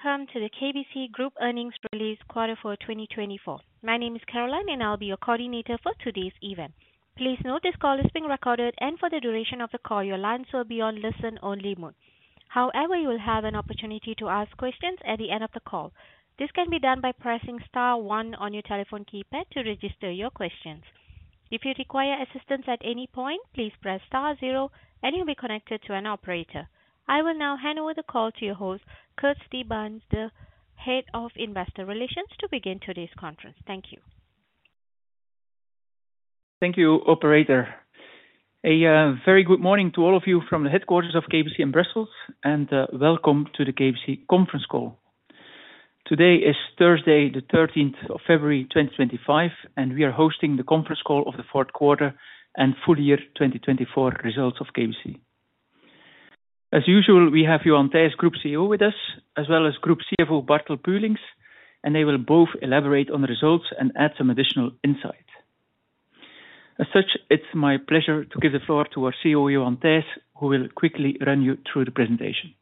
Hello and welcome to the KBC Group Earnings Release Quarter 4, 2024. My name is Caroline, and I'll be your coordinator for today's event. Please note this call is being recorded, and for the duration of the call, your lines will be on listen-only mode. However, you will have an opportunity to ask questions at the end of the call. This can be done by pressing star one on your telephone keypad to register your questions. If you require assistance at any point, please press star zero, and you'll be connected to an Operator. I will now hand over the call to your host, Kurt De Baenst, the Head of Investor Relations, to begin today's conference. Thank you. Thank you, Operator. A very good morning to all of you from the headquarters of KBC in Brussels, and welcome to the KBC Conference Call. Today is Thursday, the 13th of February 2025, and we are hosting the Conference Call of the Q4 and full year 2024 results of KBC. As usual, we have Johan Thijs, Group CEO, with us, as well as Group CFO Bartel Puelinckx, and they will both elaborate on the results and add some additional insight. As such, it's my pleasure to give the floor to our CEO, Johan Thijs, who will quickly run you through the presentation.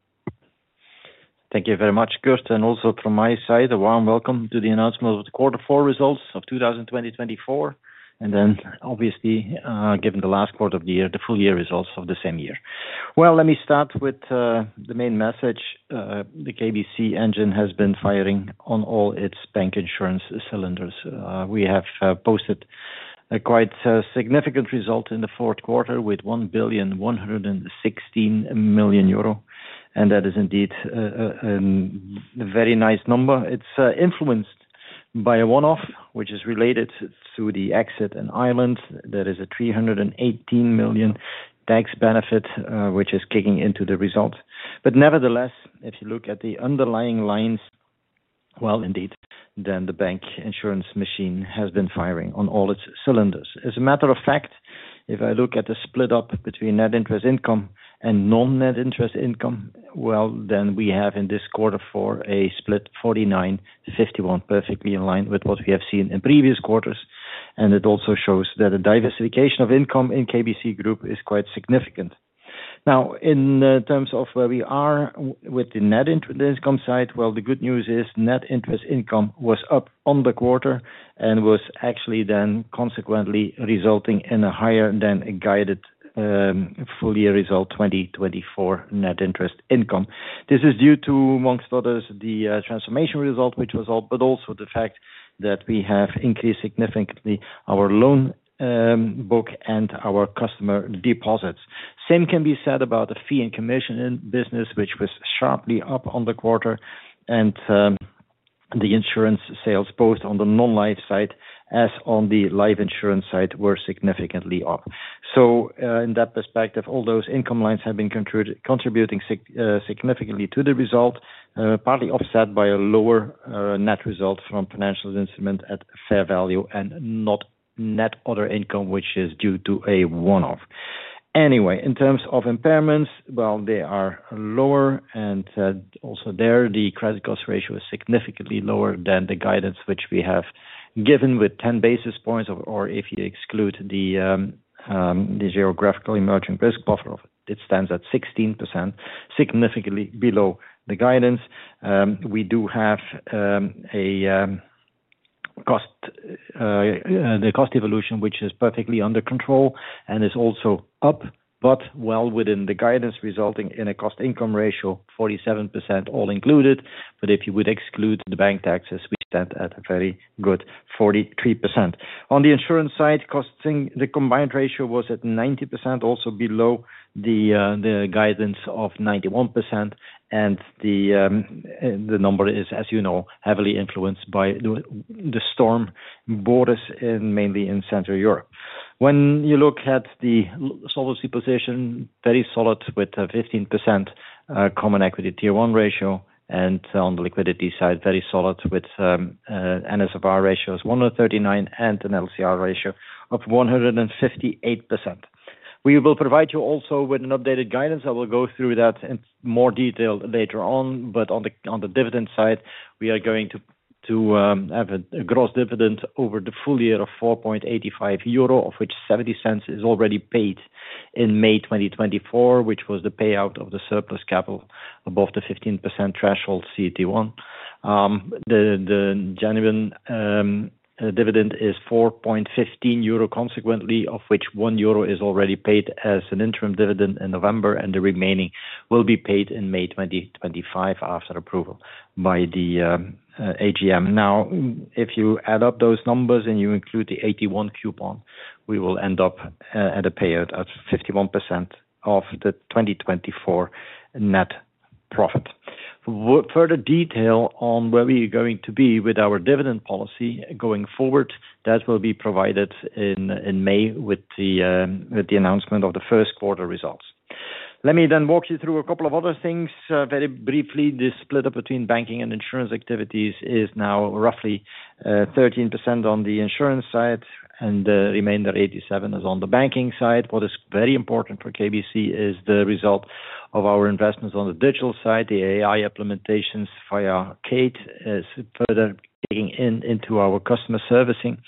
Thank you very much, Kurt, and also from my side, a warm welcome to the announcement of the quarter four results of 2020-24, and then obviously, given the last quarter of the year, the full year results of the same year. Let me start with the main message. The KBC engine has been firing on all its banking and insurance cylinders. We have posted a quite significant result in the Q4 with 1,116 million euro, and that is indeed a very nice number. It's influenced by a one-off, which is related to the exit from Ireland. There is a 318 million tax benefit, which is kicking into the results. But nevertheless, if you look at the underlying lines, well. Indeed, then the banking and insurance machine has been firing on all its cylinders. As a matter of fact, if I look at the split up between net interest income and non-net interest income, well then we have in this quarter four a split 49-51, perfectly in line with what we have seen in previous quarters, and it also shows that the diversification of income in KBC Group is quite significant. Now, in terms of where we are with the net interest income side, well the good news is net interest income was up on the quarter and was actually then consequently resulting in a higher than a guided full year result 2024 net interest income. This is due to, amongst others, the transformation result, but also the fact that we have increased significantly our loan book and our customer deposits. Same can be said about the fee and commission business, which was sharply up on the quarter, and the insurance sales both on the non-life side and on the life insurance side were significantly up, so in that perspective, all those income lines have been contributing significantly to the result, partly offset by a lower net result from financial instrument at fair value and net other income, which is due to a one-off. Anyway, in terms of impairments, they are lower, and also there the credit cost ratio is significantly lower than the guidance, which we have given with 10 basis points, or if you exclude the geographical emerging risk buffer, it stands at 16%, significantly below the guidance. We do have a cost evolution, which is perfectly under control and is also up, but well within the guidance, resulting in a cost/income ratio of 47% all included. But if you would exclude the bank taxes, we stand at a very good 43%. On the insurance side, costs, the combined ratio was at 90%, also below the guidance of 91%, and the number is, as you know, heavily influenced by the Storm Boris mainly in Central Europe. When you look at the solvency position, very solid with a 15% common equity tier one ratio, and on the liquidity side, very solid with NSFR ratio of 139% and an LCR ratio of 158%. We will provide you also with an updated guidance. I will go through that in more detail later on, but on the dividend side, we are going to have a gross dividend over the full year of 4.85 euro, of which 0.70 is already paid in May 2024, which was the payout of the surplus capital above the 15% CET1 threshold. The genuine dividend is 4.15 euro, consequently, of which 1 euro is already paid as an interim dividend in November, and the remaining will be paid in May 2025 after approval by the AGM. Now, if you add up those numbers and you include the AT1 coupon, we will end up at a payout of 51% of the 2024 net profit. Further detail on where we are going to be with our dividend policy going forward, that will be provided in May with the announcement of the Q1 results. Let me then walk you through a couple of other things. Very briefly, the split up between banking and insurance activities is now roughly 13% on the insurance side, and the remainder 87% is on the banking side. What is very important for KBC is the result of our investments on the digital side, the AI implementations via Kate is further digging into our customer servicing.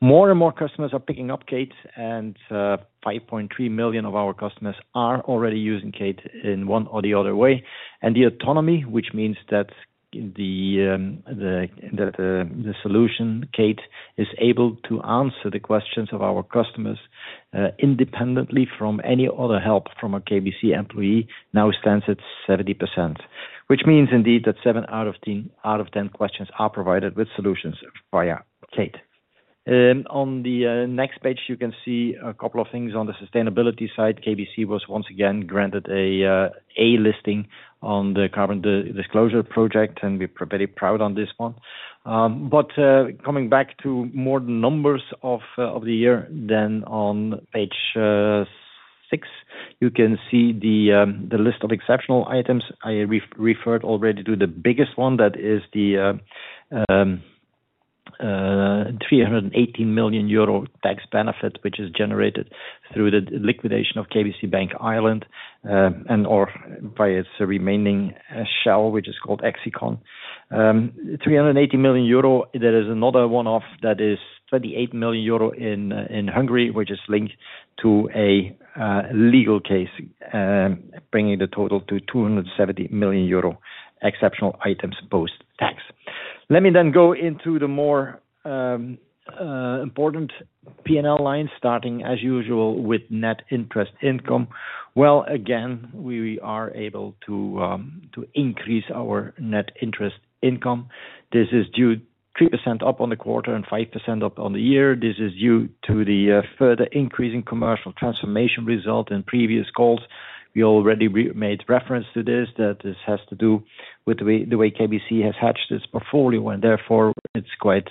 More and more customers are picking up Kate, and 5.3 million of our customers are already using Kate in one or the other way. And the autonomy, which means that the solution Kate is able to answer the questions of our customers independently from any other help from a KBC employee, now stands at 70%, which means indeed that seven out of 10 questions are provided with solutions via Kate. On the next page, you can see a couple of things on the sustainability side. KBC was once again granted an A listing on the Carbon Disclosure Project, and we're very proud of this one. But coming back to more numbers of the year, then on page six, you can see the list of exceptional items. I referred already to the biggest one, that is the 318 million euro tax benefit, which is generated through the liquidation of KBC Bank Ireland and/or by its remaining shell, which is called Exicon. 380 million euro, there is another one-off that is 28 million euro in Hungary, which is linked to a legal case, bringing the total to 270 million euro exceptional items post-tax. Let me then go into the more important P&L lines, starting as usual with net interest income. Well, again, we are able to increase our net interest income. This is due 3% up on the quarter and 5% up on the year. This is due to the further increase in commercial transformation result in previous calls. We already made reference to this, that this has to do with the way KBC has matched its portfolio, and therefore it's quite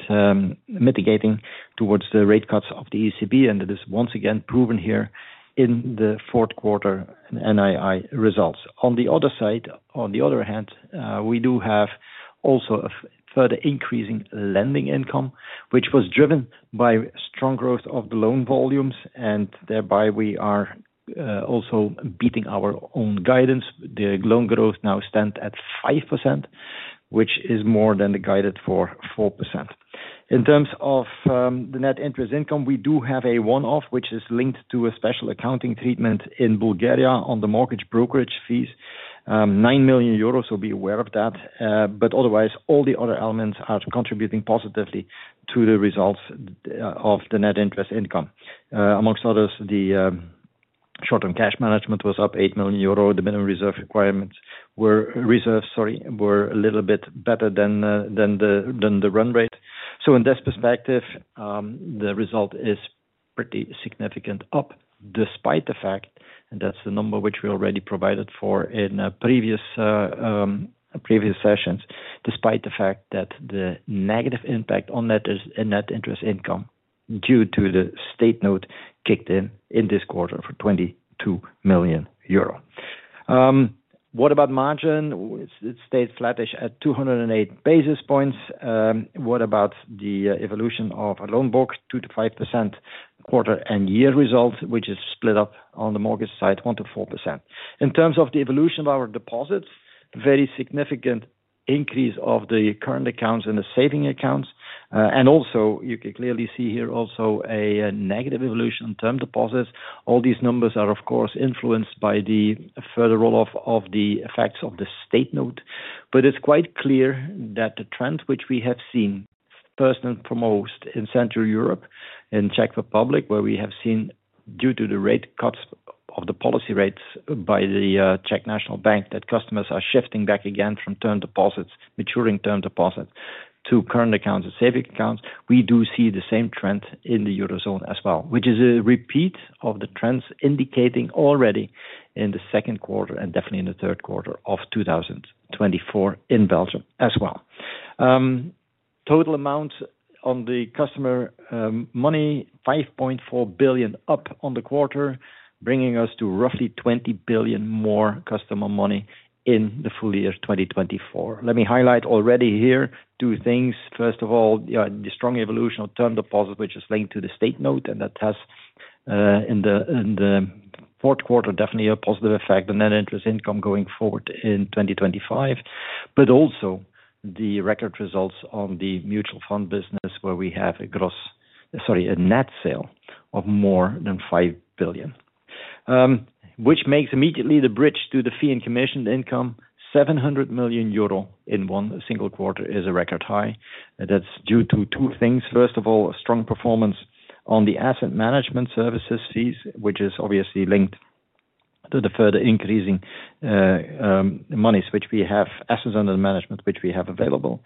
mitigating towards the rate cuts of the ECB, and it is once again proven here in the Q4 NII results. On the other side, on the other hand, we do have also a further increase in lending income, which was driven by strong growth of the loan volumes, and thereby we are also beating our own guidance. The loan growth now stands at 5%, which is more than the guided for 4%. In terms of the net interest income, we do have a one-off, which is linked to a special accounting treatment in Bulgaria on the mortgage brokerage fees, 9 million euros. So be aware of that. But otherwise, all the other elements are contributing positively to the results of the net interest income. Among others, the short-term cash management was up 8 million euro. The minimum reserve requirements were reserves, sorry, were a little bit better than the run rate. So in this perspective, the result is pretty significant up, despite the fact, and that's the number which we already provided for in previous sessions, despite the fact that the negative impact on net interest income due to the State Note kicked in in this quarter for 22 million euro. What about margin? It stayed flattish at 208 basis points. What about the evolution of loan book 2%-5% quarter and year result, which is split up on the mortgage side 1%-4%? In terms of the evolution of our deposits, very significant increase of the current accounts and the saving accounts. Also, you can clearly see here also a negative evolution on term deposits. All these numbers are, of course, influenced by the further roll-off of the effects of the State Note. But it's quite clear that the trend which we have seen first and foremost in Central Europe and Czech Republic, where we have seen due to the rate cuts of the policy rates by the Czech National Bank, that customers are shifting back again from term deposits, maturing term deposits to current accounts and saving accounts, we do see the same trend in the eurozone as well, which is a repeat of the trends indicating already in the Q2 and definitely in the Q3 of 2024 in Belgium as well. Total amount on the customer money, 5.4 billion up on the quarter, bringing us to roughly 20 billion more customer money in the full year 2024. Let me highlight already here two things. First of all, the strong evolution of term deposits, which is linked to the State Note, and that has in the Q4 definitely a positive effect on net interest income going forward in 2025. But also the record results on the mutual fund business, where we have a gross, sorry, a net sale of more than 5 billion, which makes immediately the bridge to the fee and commission income, 700 million euro in one single quarter is a record high. That's due to two things. First of all, a strong performance on the asset management services fees, which is obviously linked to the further increasing money which we have, assets under management, which we have available.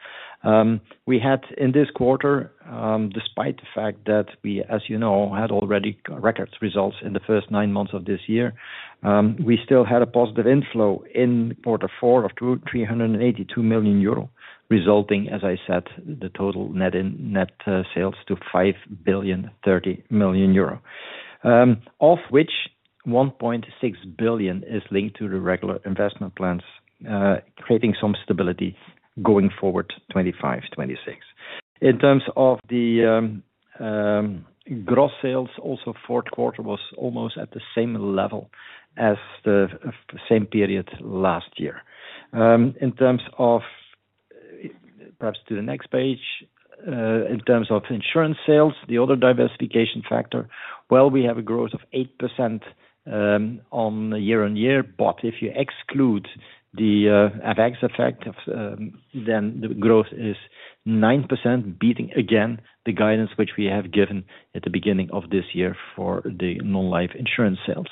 We had in this quarter, despite the fact that we, as you know, had already record results in the first nine months of this year, we still had a positive inflow in quarter four of 382 million euro, resulting, as I said, the total net sales to 5,030 million euro, of which 1.6 billion is linked to the regular investment plans, creating some stability going forward 2025-2026. In terms of the gross sales, also Q4 was almost at the same level as the same period last year. In terms of, perhaps to the next page, in terms of insurance sales, the other diversification factor, well, we have a growth of 8% on year on year, but if you exclude the FX effect, then the growth is 9%, beating again the guidance which we have given at the beginning of this year for the non-life insurance sales.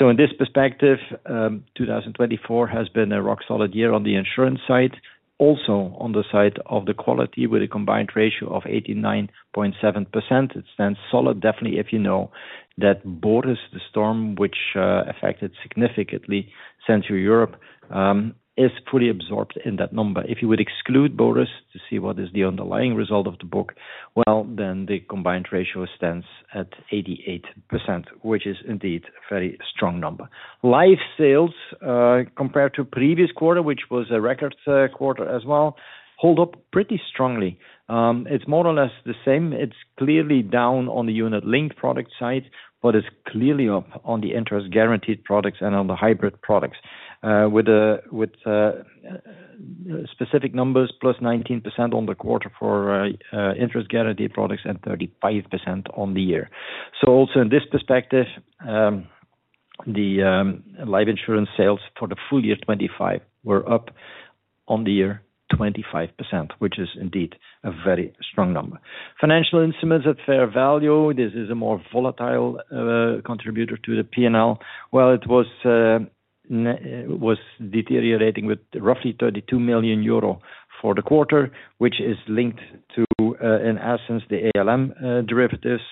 In this perspective, 2024 has been a rock-solid year on the insurance side. Also on the side of the quality, with a combined ratio of 89.7%, it stands solid. Definitely, if you know that Boris storm which affected significantly Central Europe, is fully absorbed in that number. If you would exclude Boris to see what is the underlying result of the book, well then the combined ratio stands at 88%, which is indeed a very strong number. Life sales, compared to previous quarter, which was a record quarter as well, hold up pretty strongly. It's more or less the same. It's clearly down on the unit-linked product side, but it's clearly up on the interest-guaranteed products and on the hybrid products, with specific numbers plus 19% on the quarter for interest-guaranteed products and 35% on the year. So also in this perspective, the life insurance sales for the full year 2025 were up on the year 25%, which is indeed a very strong number. Financial instruments at fair value, this is a more volatile contributor to the P&L. Well, it was deteriorating with roughly 32 million euro for the quarter, which is linked to, in essence, the ALM derivatives.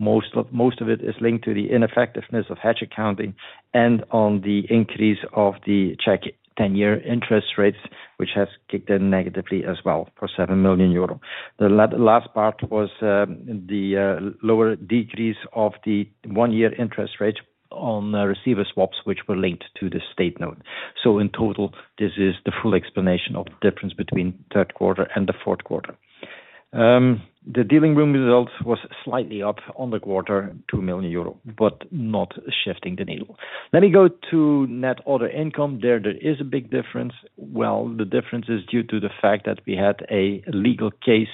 Most of it is linked to the ineffectiveness of hedge accounting and on the increase of the Czech 10-year interest rates, which has kicked in negatively as well for 7 million euro. The last part was the lower decrease of the one-year interest rate on receiver swaps, which were linked to the State Note. So in total, this is the full explanation of the difference between Q3 and the Q4. The dealing room result was slightly up on the quarter, 2 million euro, but not shifting the needle. Let me go to net other income. There is a big difference. Well, the difference is due to the fact that we had a legal case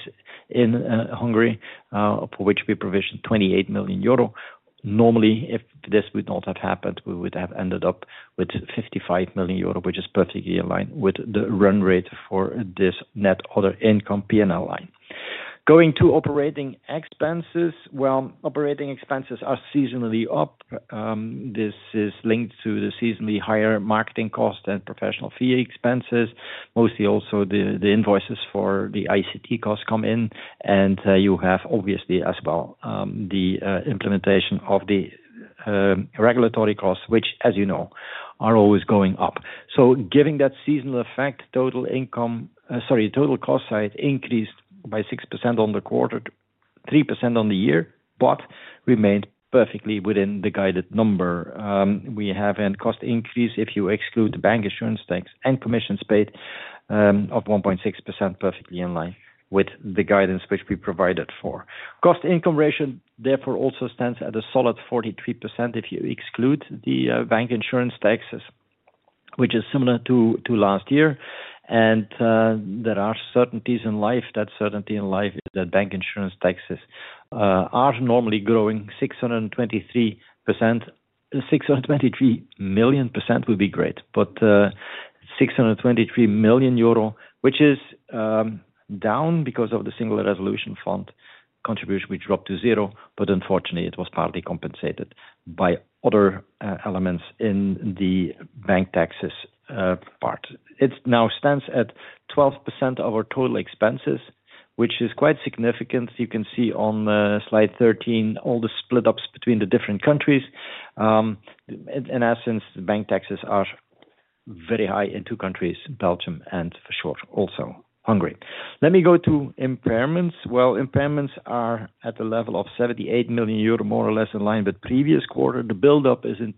in Hungary for which we provisioned 28 million euro. Normally, if this would not have happened, we would have ended up with 55 million euro, which is perfectly aligned with the run rate for this net other income P&L line. Going to operating expenses, well, operating expenses are seasonally up. This is linked to the seasonally higher marketing cost and professional fee expenses, mostly also the invoices for the ICT costs come in, and you have obviously as well the implementation of the regulatory costs, which, as you know, are always going up. So giving that seasonal effect, total income, sorry, total cost side increased by 6% on the quarter, 3% on the year, but remained perfectly within the guided number. We have a cost increase if you exclude the bank insurance tax and commissions paid of 1.6%, perfectly in line with the guidance which we provided for. Cost/Income Ratio, therefore, also stands at a solid 43% if you exclude the bank insurance taxes, which is similar to last year, and there are certainties in life. That certainty in life is that bank insurance taxes are normally growing 623%. 623 million percent would be great, but 623 million euro, which is down because of the Single Resolution Fund contribution, which dropped to zero, but unfortunately, it was partly compensated by other elements in the bank taxes part. It now stands at 12% of our total expenses, which is quite significant. You can see on slide 13 all the split-ups between the different countries. In essence, bank taxes are very high in two countries, Belgium and in short also Hungary. Let me go to impairments. Impairments are at the level of 78 million euro, more or less in line with previous quarter. The build-up is in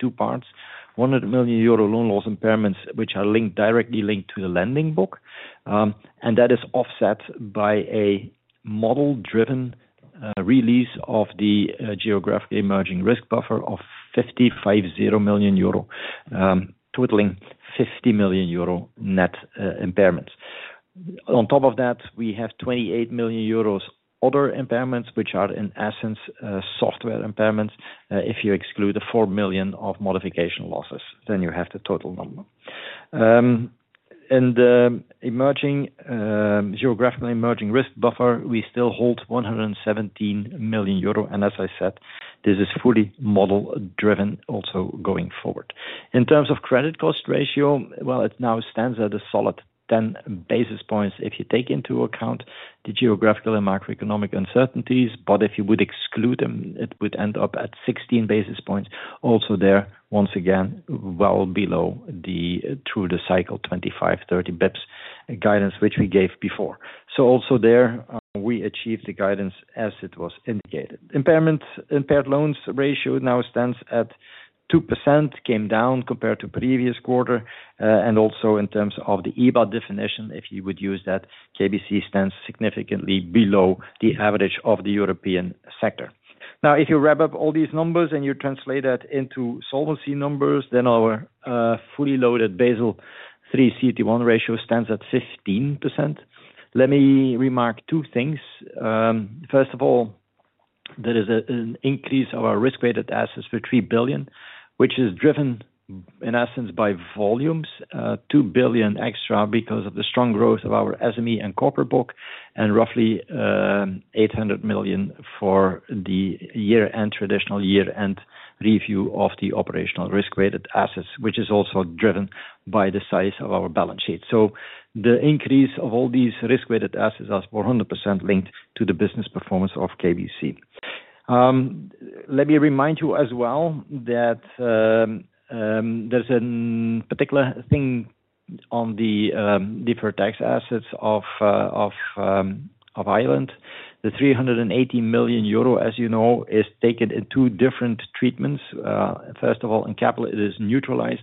two parts. 600 million euro loan loss impairments, which are directly linked to the lending book, and that is offset by a model-driven release of the Geographically Emerging Risk Buffer of 550 million euro, totaling 50 million euro net impairments. On top of that, we have 28 million euros other impairments, which are in essence software impairments. If you exclude the 4 million of modification losses, then you have the total number. The Geographically Emerging Risk Buffer, we still hold 117 million euro. As I said, this is fully model-driven also going forward. In terms of credit cost ratio, it now stands at a solid 10 basis points if you take into account the geographic and macroeconomic uncertainties. But if you would exclude them, it would end up at 16 basis points. Also there, once again, well below the through-the-cycle 25-30 basis points guidance, which we gave before. So also there, we achieved the guidance as it was indicated. Impaired loans ratio now stands at 2%, came down compared to previous quarter. And also in terms of the EBITDA definition, if you would use that, KBC stands significantly below the average of the European sector. Now, if you wrap up all these numbers and you translate that into solvency numbers, then our fully loaded Basel III CET1 ratio stands at 15%. Let me remark two things. First of all, there is an increase of our risk-weighted assets for 3 billion, which is driven in essence by volumes, 2 billion extra because of the strong growth of our SME and corporate book, and roughly 800 million for the year-end, traditional year-end review of the operational risk-weighted assets, which is also driven by the size of our balance sheet. So the increase of all these risk-weighted assets is 100% linked to the business performance of KBC. Let me remind you as well that there's a particular thing on the deferred tax assets of Ireland. The 380 million euro, as you know, is taken in two different treatments. First of all, in capital, it is neutralized.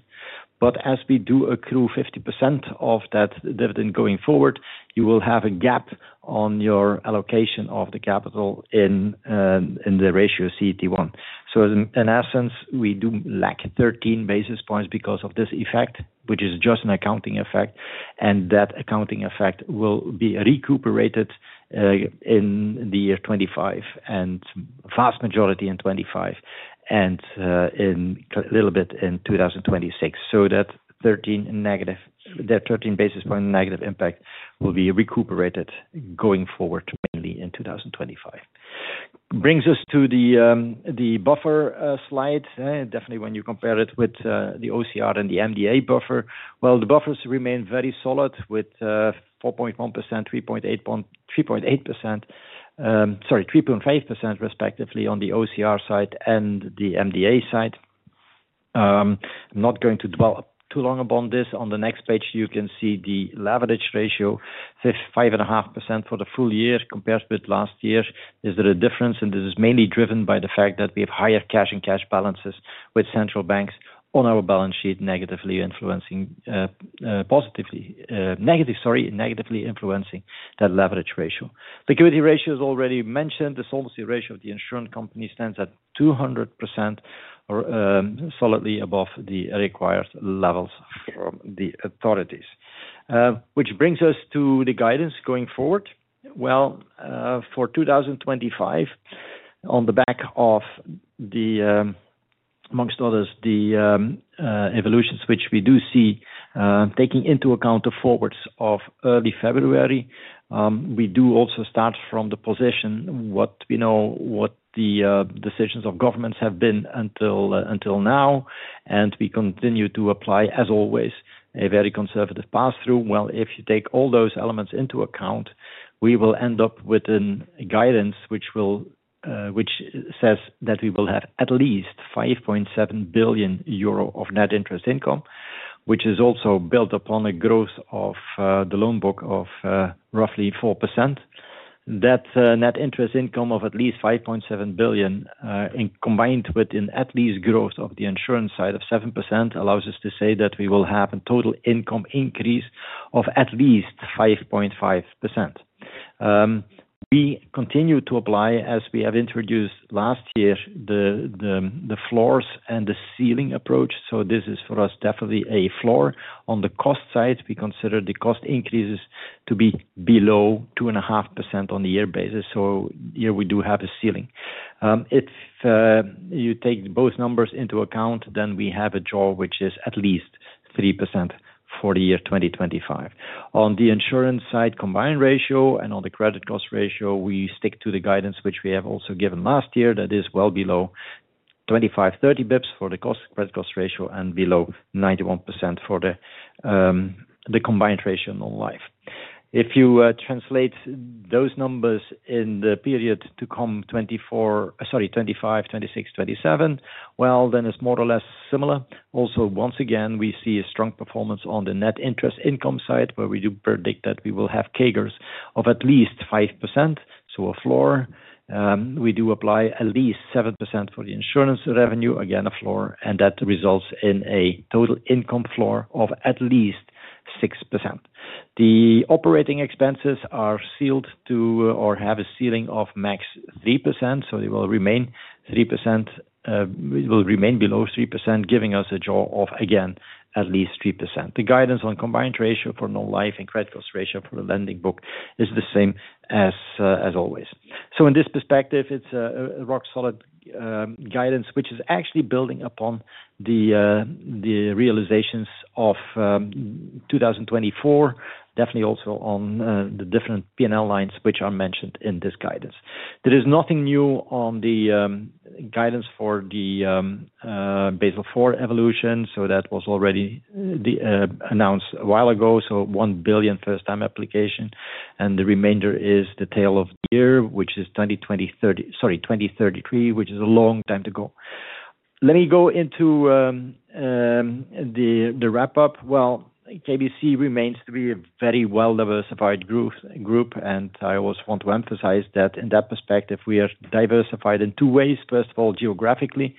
But as we do accrue 50% of that dividend going forward, you will have a gap on your allocation of the capital in the ratio CET1. In essence, we do lack 13 basis points because of this effect, which is just an accounting effect. That accounting effect will be recuperated in the year 2025 and vast majority in 2025 and a little bit in 2026. That 13 negative basis point negative impact will be recuperated going forward mainly in 2025. Brings us to the buffer slide. Definitely, when you compare it with the OCR and the MDA buffer, well, the buffers remain very solid with 4.1%, 3.8%, sorry, 3.5% respectively on the OCR side and the MDA side. I'm not going to dwell too long upon this. On the next page, you can see the leverage ratio, 5.5% for the full year compared with last year. Is there a difference? This is mainly driven by the fact that we have higher cash and cash balances with central banks on our balance sheet, negatively influencing that leverage ratio. Liquidity ratio is already mentioned. The solvency ratio of the insurance company stands at 200%, solidly above the required levels from the authorities, which brings us to the guidance going forward. For 2025, on the back of, among others, the evolutions which we do see taking into account the forwards of early February, we do also start from the position of what we know, the decisions of governments have been until now. We continue to apply, as always, a very conservative pass-through. If you take all those elements into account, we will end up with a guidance which says that we will have at least 5.7 billion euro of net interest income, which is also built upon a growth of the loan book of roughly 4%. That net interest income of at least 5.7 billion combined with an at least growth of the insurance side of 7% allows us to say that we will have a total income increase of at least 5.5%. We continue to apply, as we have introduced last year, the floors and the ceiling approach. So this is for us definitely a floor. On the cost side, we consider the cost increases to be below 2.5% on the year basis. So here we do have a ceiling. If you take both numbers into account, then we have a jaw which is at least 3% for the year 2025. On the insurance side, combined ratio and on the credit cost ratio, we stick to the guidance which we have also given last year that is well below 25-30 basis points for the credit cost ratio and below 91% for the combined ratio non-life. If you translate those numbers in the period to come 2024, sorry, 2025, 2026, 2027, well, then it's more or less similar. Also, once again, we see a strong performance on the net interest income side where we do predict that we will have CAGRs of at least 5%. So a floor. We do apply at least 7% for the insurance revenue, again a floor, and that results in a total income floor of at least 6%. The operating expenses are sealed to or have a ceiling of max 3%. So they will remain 3%. It will remain below 3%, giving us a jaw of again at least 3%. The guidance on combined ratio for non-life and credit cost ratio for the lending book is the same as always, so in this perspective, it's a rock-solid guidance, which is actually building upon the realizations of 2024, definitely also on the different P&L lines which are mentioned in this guidance. There is nothing new on the guidance for the Basel IV evolution, so that was already announced a while ago, so 1 billion first-time application and the remainder is the tail of the year, which is 2033, which is a long time to go. Let me go into the wrap-up. Well, KBC remains to be a very well-diversified group, and I always want to emphasize that in that perspective, we are diversified in two ways. First of all, geographically,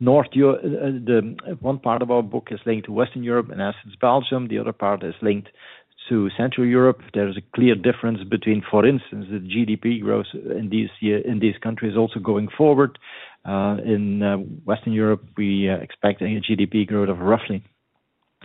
one part of our book is linked to Western Europe, in essence, Belgium. The other part is linked to Central Europe. There is a clear difference between, for instance, the GDP growth in these countries also going forward. In Western Europe, we expect a GDP growth of roughly,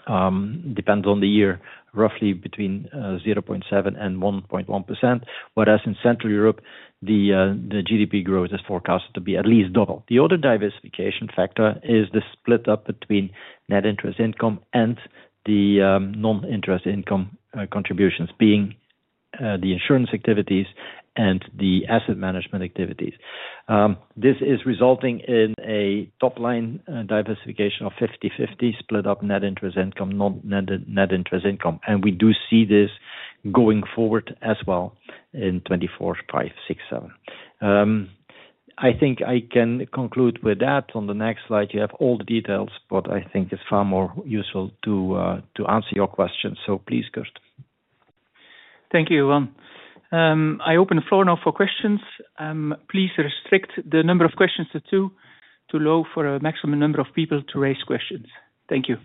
depends on the year, roughly between 0.7% and 1.1%. Whereas in Central Europe, the GDP growth is forecasted to be at least double. The other diversification factor is the split-up between net interest income and the non-interest income contributions, being the insurance activities and the asset management activities. This is resulting in a top-line diversification of 50-50, split-up net interest income, non-net interest income. And we do see this going forward as well in 2024, 2025, 2026, 2027. I think I can conclude with that. On the next slide, you have all the details, but I think it's far more useful to answer your questions. So please, Kurt. Thank you, Johan. I open the floor now for questions. Please restrict the number of questions to two, to allow for a maximum number of people to raise questions. Thank you.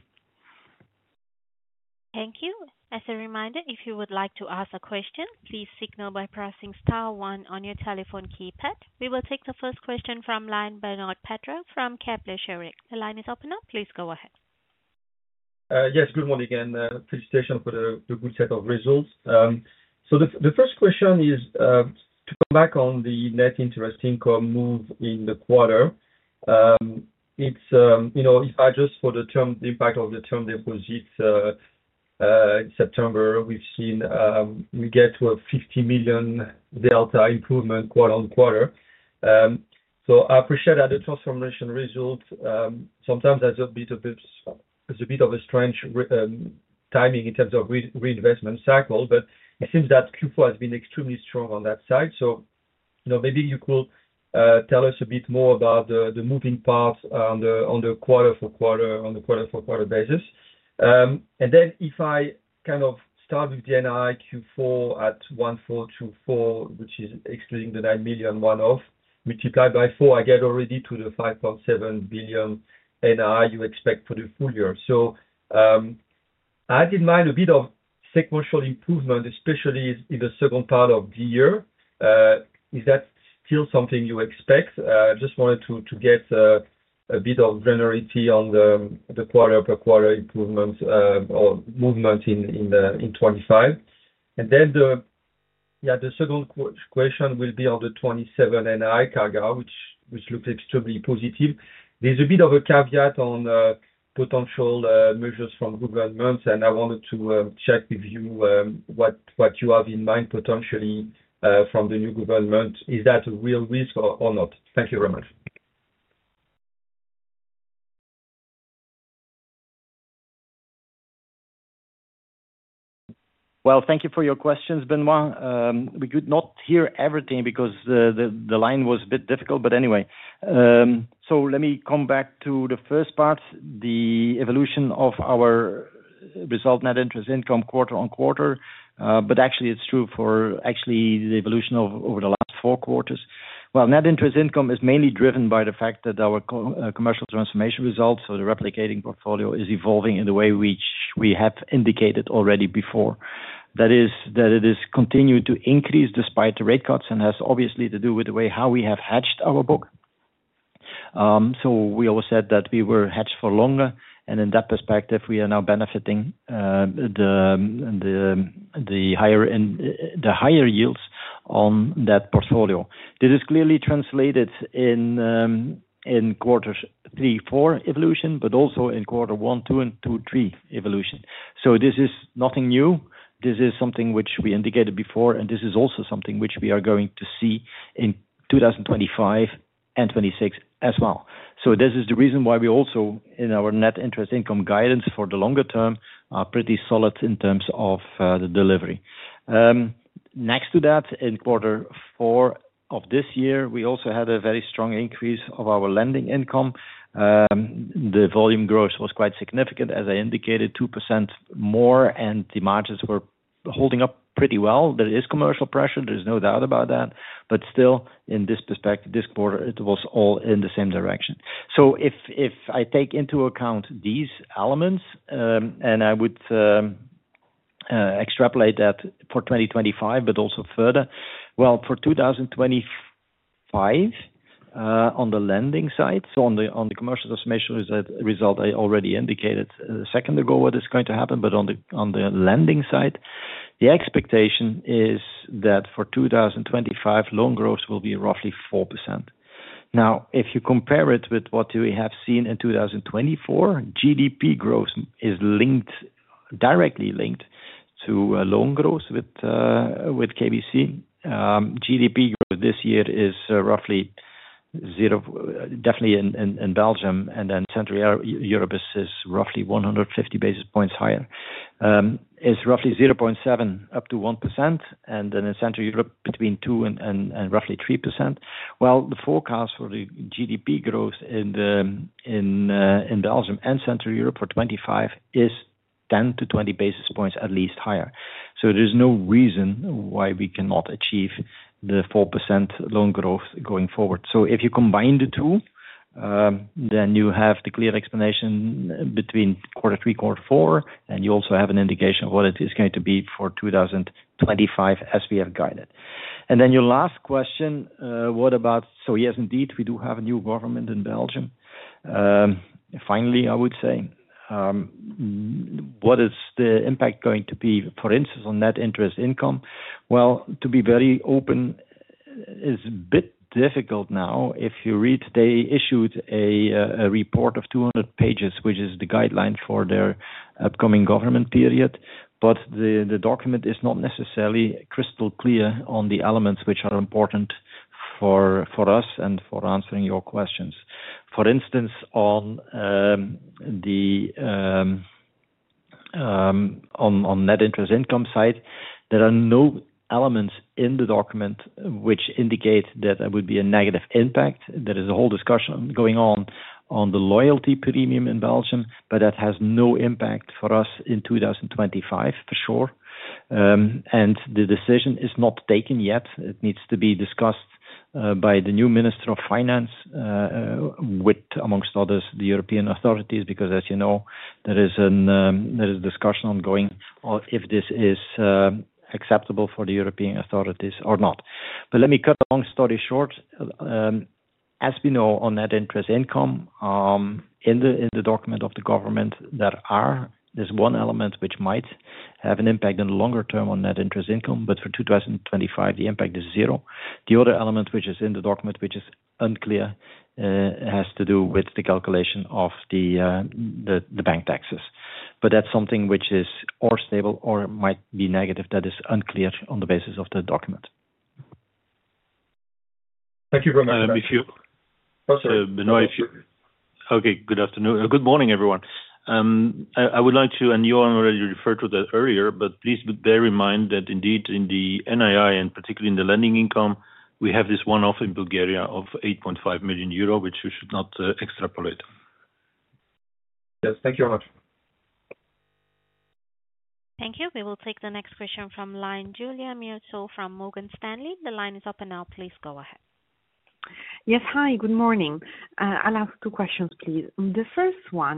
Thank you. As a reminder, if you would like to ask a question, please signal by pressing star one on your telephone keypad. We will take the first question from line Benoit Petrarque from Kepler Cheuvreux. The line is open now. Please go ahead. Yes, good morning and felicitations for the good set of results. So the first question is to come back on the net interest income move in the quarter. It's adjusted for the impact of the term deposits. In September, we've seen we get to a 50 million delta improvement quarter on quarter. I appreciate that the transformation result, sometimes there's a bit of a strange timing in terms of reinvestment cycle, but it seems that Q4 has been extremely strong on that side. Maybe you could tell us a bit more about the moving part on the quarter-for-quarter basis. And then if I kind of start with the NII Q4 at 1424, which is excluding the 9 million one-off, multiplied by four, I get already to the 5.7 billion NII you expect for the full year. I didn't mind a bit of sequential improvement, especially in the second part of the year. Is that still something you expect? I just wanted to get a bit of granularity on the quarter-per-quarter improvement or movement in 25. And then the second question will be on the 27 NII CAGR, which looks extremely positive. There's a bit of a caveat on potential measures from governments, and I wanted to check with you what you have in mind potentially from the new government. Is that a real risk or not? Thank you very much. Well, thank you for your questions, Benoit. We could not hear everything because the line was a bit difficult, but anyway. So let me come back to the first part, the evolution of our result net interest income quarter on quarter. But actually, it's true for the evolution over the last four quarters. Well, net interest income is mainly driven by the fact that our commercial transformation results, so the replicating portfolio, is evolving in the way which we have indicated already before. That is, that it has continued to increase despite the rate cuts and has obviously to do with the way how we have hedged our book. We always said that we were matched for longer. And in that perspective, we are now benefiting the higher yields on that portfolio. This is clearly translated in quarters three, four evolution, but also in quarter one, two, and two, three evolution. So this is nothing new. This is something which we indicated before, and this is also something which we are going to see in 2025 and 2026 as well. So this is the reason why we also in our net interest income guidance for the longer term are pretty solid in terms of the delivery. Next to that, in quarter four of this year, we also had a very strong increase of our lending income. The volume growth was quite significant, as I indicated, 2% more, and the margins were holding up pretty well. There is commercial pressure. There is no doubt about that. But still, in this perspective, this quarter, it was all in the same direction. So if I take into account these elements, and I would extrapolate that for 2025, but also further. Well, for 2025 on the lending side, so on the commercial transformation result I already indicated a second ago what is going to happen, but on the lending side, the expectation is that for 2025, loan growth will be roughly 4%. Now, if you compare it with what we have seen in 2024, GDP growth is linked, directly linked to loan growth with KBC. GDP growth this year is roughly 0%, definitely in Belgium, and then Central Europe is roughly 150 basis points higher. It's roughly 0.7% up to 1%, and then in Central Europe, between 2% and roughly 3%. The forecast for the GDP growth in Belgium and Central Europe for 25 is 10 to 20 basis points at least higher. There's no reason why we cannot achieve the 4% loan growth going forward. If you combine the two, then you have the clear explanation between quarter three, quarter four, and you also have an indication of what it is going to be for 2025 as we have guided. Your last question, what about, so yes, indeed, we do have a new government in Belgium. Finally, I would say, what is the impact going to be, for instance, on net interest income? To be very open, it's a bit difficult now. If you read, they issued a report of 200 pages, which is the guideline for their upcoming government period. But the document is not necessarily crystal clear on the elements which are important for us and for answering your questions. For instance, on net interest income side, there are no elements in the document which indicate that there would be a negative impact. There is a whole discussion going on on the loyalty premium in Belgium, but that has no impact for us in 2025 for sure. And the decision is not taken yet. It needs to be discussed by the new Minister of Finance, with, amongst others, the European authorities, because, as you know, there is a discussion ongoing if this is acceptable for the European authorities or not. But let me cut a long story short. As we know, on net interest income, in the document of the government, there is one element which might have an impact in the longer term on net interest income, but for 2025, the impact is zero. The other element, which is in the document, which is unclear, has to do with the calculation of the bank taxes. But that's something which is or stable or might be negative that is unclear on the basis of the document. Thank you very much. Okay, good morning, everyone. I would like to, and Johan already referred to that earlier, but please bear in mind that indeed, in the NII, and particularly in the lending income, we have this one-off in Bulgaria of 8.5 million euro, which we should not extrapolate. Yes, thank you very much. Thank you. We will take the next question from line Giulia Miotto from Morgan Stanley. The line is up and now please go ahead. Yes, hi, good morning. I'll ask two questions, please. The first one,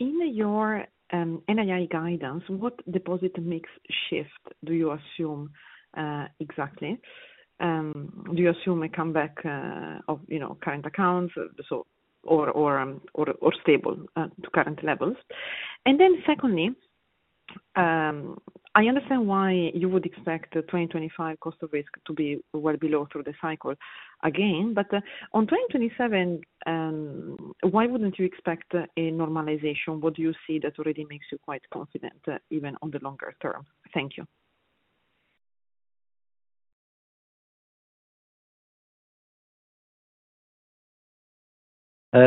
in your NII guidance, what deposit mix shift do you assume exactly? Do you assume a comeback of current accounts or stable to current levels? And then secondly, I understand why you would expect the 2025 cost of risk to be well below through the cycle again, but on 2027, why wouldn't you expect a normalization? What do you see that already makes you quite confident even on the longer term? Thank you.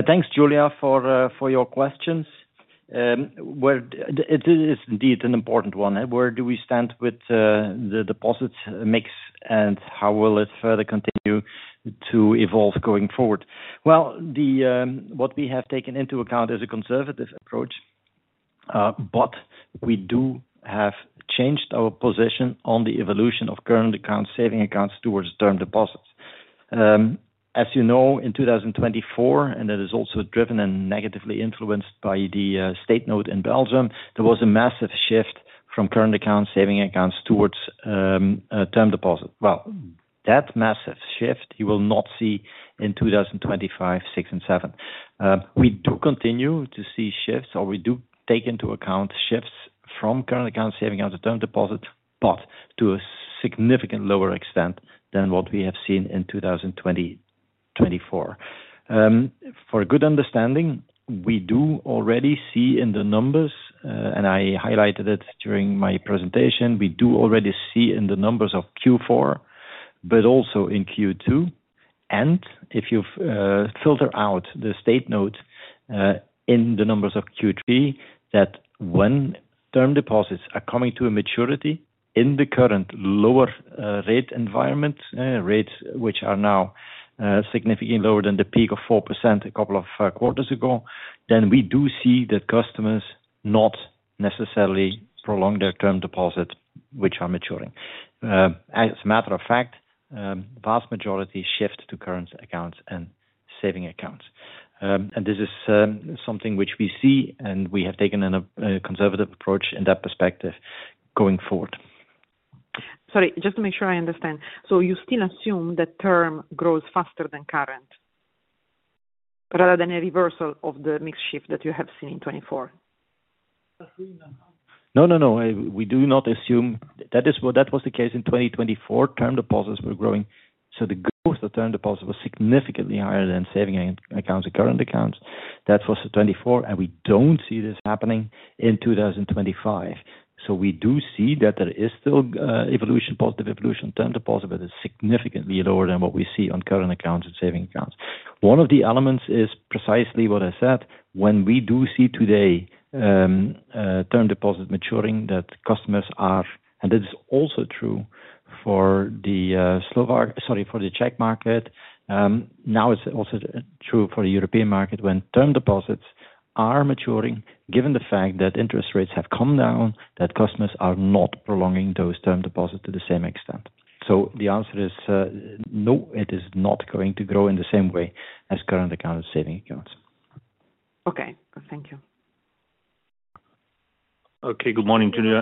Thanks, Giulia, for your questions. It is indeed an important one. Where do we stand with the deposits mix and how will it further continue to evolve going forward? What we have taken into account is a conservative approach, but we do have changed our position on the evolution of current accounts, savings accounts towards term deposits. As you know, in 2024, and it is also driven and negatively influenced by the State Note in Belgium, there was a massive shift from current accounts, savings accounts towards term deposits. That massive shift, you will not see in 2025, 2026, and 2027. We do continue to see shifts, or we do take into account shifts from current accounts, savings accounts, and term deposits, but to a significant lower extent than what we have seen in 2024. For a good understanding, we do already see in the numbers, and I highlighted it during my presentation, we do already see in the numbers of Q4, but also in Q2. And if you filter out the State Note in the numbers of Q3, that when term deposits are coming to a maturity in the current lower rate environment, rates which are now significantly lower than the peak of 4% a couple of quarters ago, then we do see that customers not necessarily prolong their term deposits, which are maturing. As a matter of fact, the vast majority shift to current accounts and saving accounts. And this is something which we see, and we have taken a conservative approach in that perspective going forward. Sorry, just to make sure I understand. So you still assume that term grows faster than current, rather than a reversal of the mixed shift that you have seen in 2024? No, no, no. We do not assume. That was the case in 2024. Term deposits were growing. So the growth of term deposits was significantly higher than saving accounts and current accounts. That was in 2024, and we don't see this happening in 2025. So we do see that there is still evolution, positive evolution, term deposit, but it's significantly lower than what we see on current accounts and saving accounts. One of the elements is precisely what I said. When we do see today term deposits maturing, that customers are, and this is also true for the Slovak, sorry, for the Czech market. Now it's also true for the European market when term deposits are maturing, given the fact that interest rates have come down, that customers are not prolonging those term deposits to the same extent. So the answer is no, it is not going to grow in the same way as current accounts and saving accounts. Okay. Thank you. Okay, good morning, Giulia.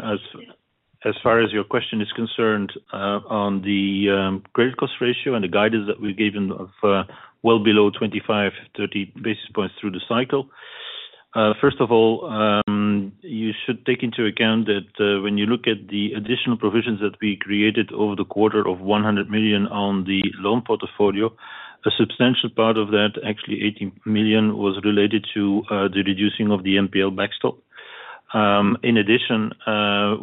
As far as your question is concerned on the credit cost ratio and the guidance that we've given of well below 25, 30 basis points through the cycle. First of all, you should take into account that when you look at the additional provisions that we created over the quarter of 100 million on the loan portfolio, a substantial part of that, actually 18 million, was related to the reducing of the MPL backstop. In addition,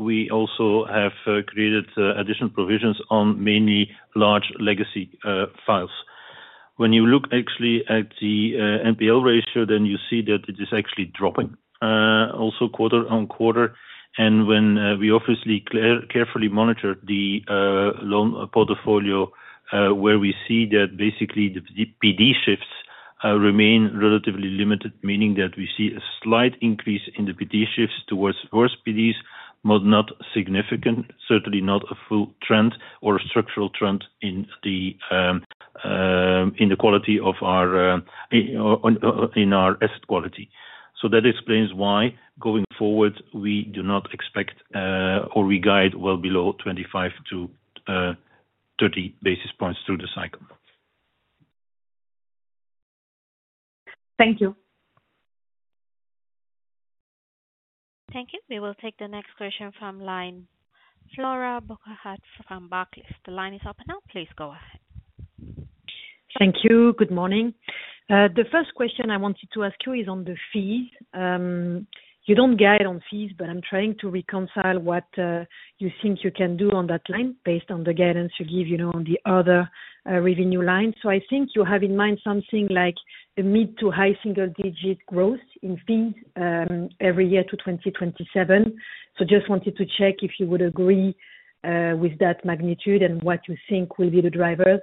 we also have created additional provisions on mainly large legacy files. When you look actually at the MPL ratio, then you see that it is actually dropping also quarter on quarter. And when we obviously carefully monitor the loan portfolio, where we see that basically the PD shifts remain relatively limited, meaning that we see a slight increase in the PD shifts towards worse PDs, but not significant, certainly not a full trend or a structural trend in the quality of our asset quality. So that explains why going forward, we do not expect or we guide well below 25-30 basis points through the cycle. Thank you. Thank you. We will take the next question from line Flora Bocahut from Barclays. The line is up and now please go ahead. Thank you. Good morning. The first question I wanted to ask you is on the fees. You don't guide on fees, but I'm trying to reconcile what you think you can do on that line based on the guidance you give on the other revenue line. So I think you have in mind something like a mid- to high single-digit growth in fees every year to 2027. So just wanted to check if you would agree with that magnitude and what you think will be the drivers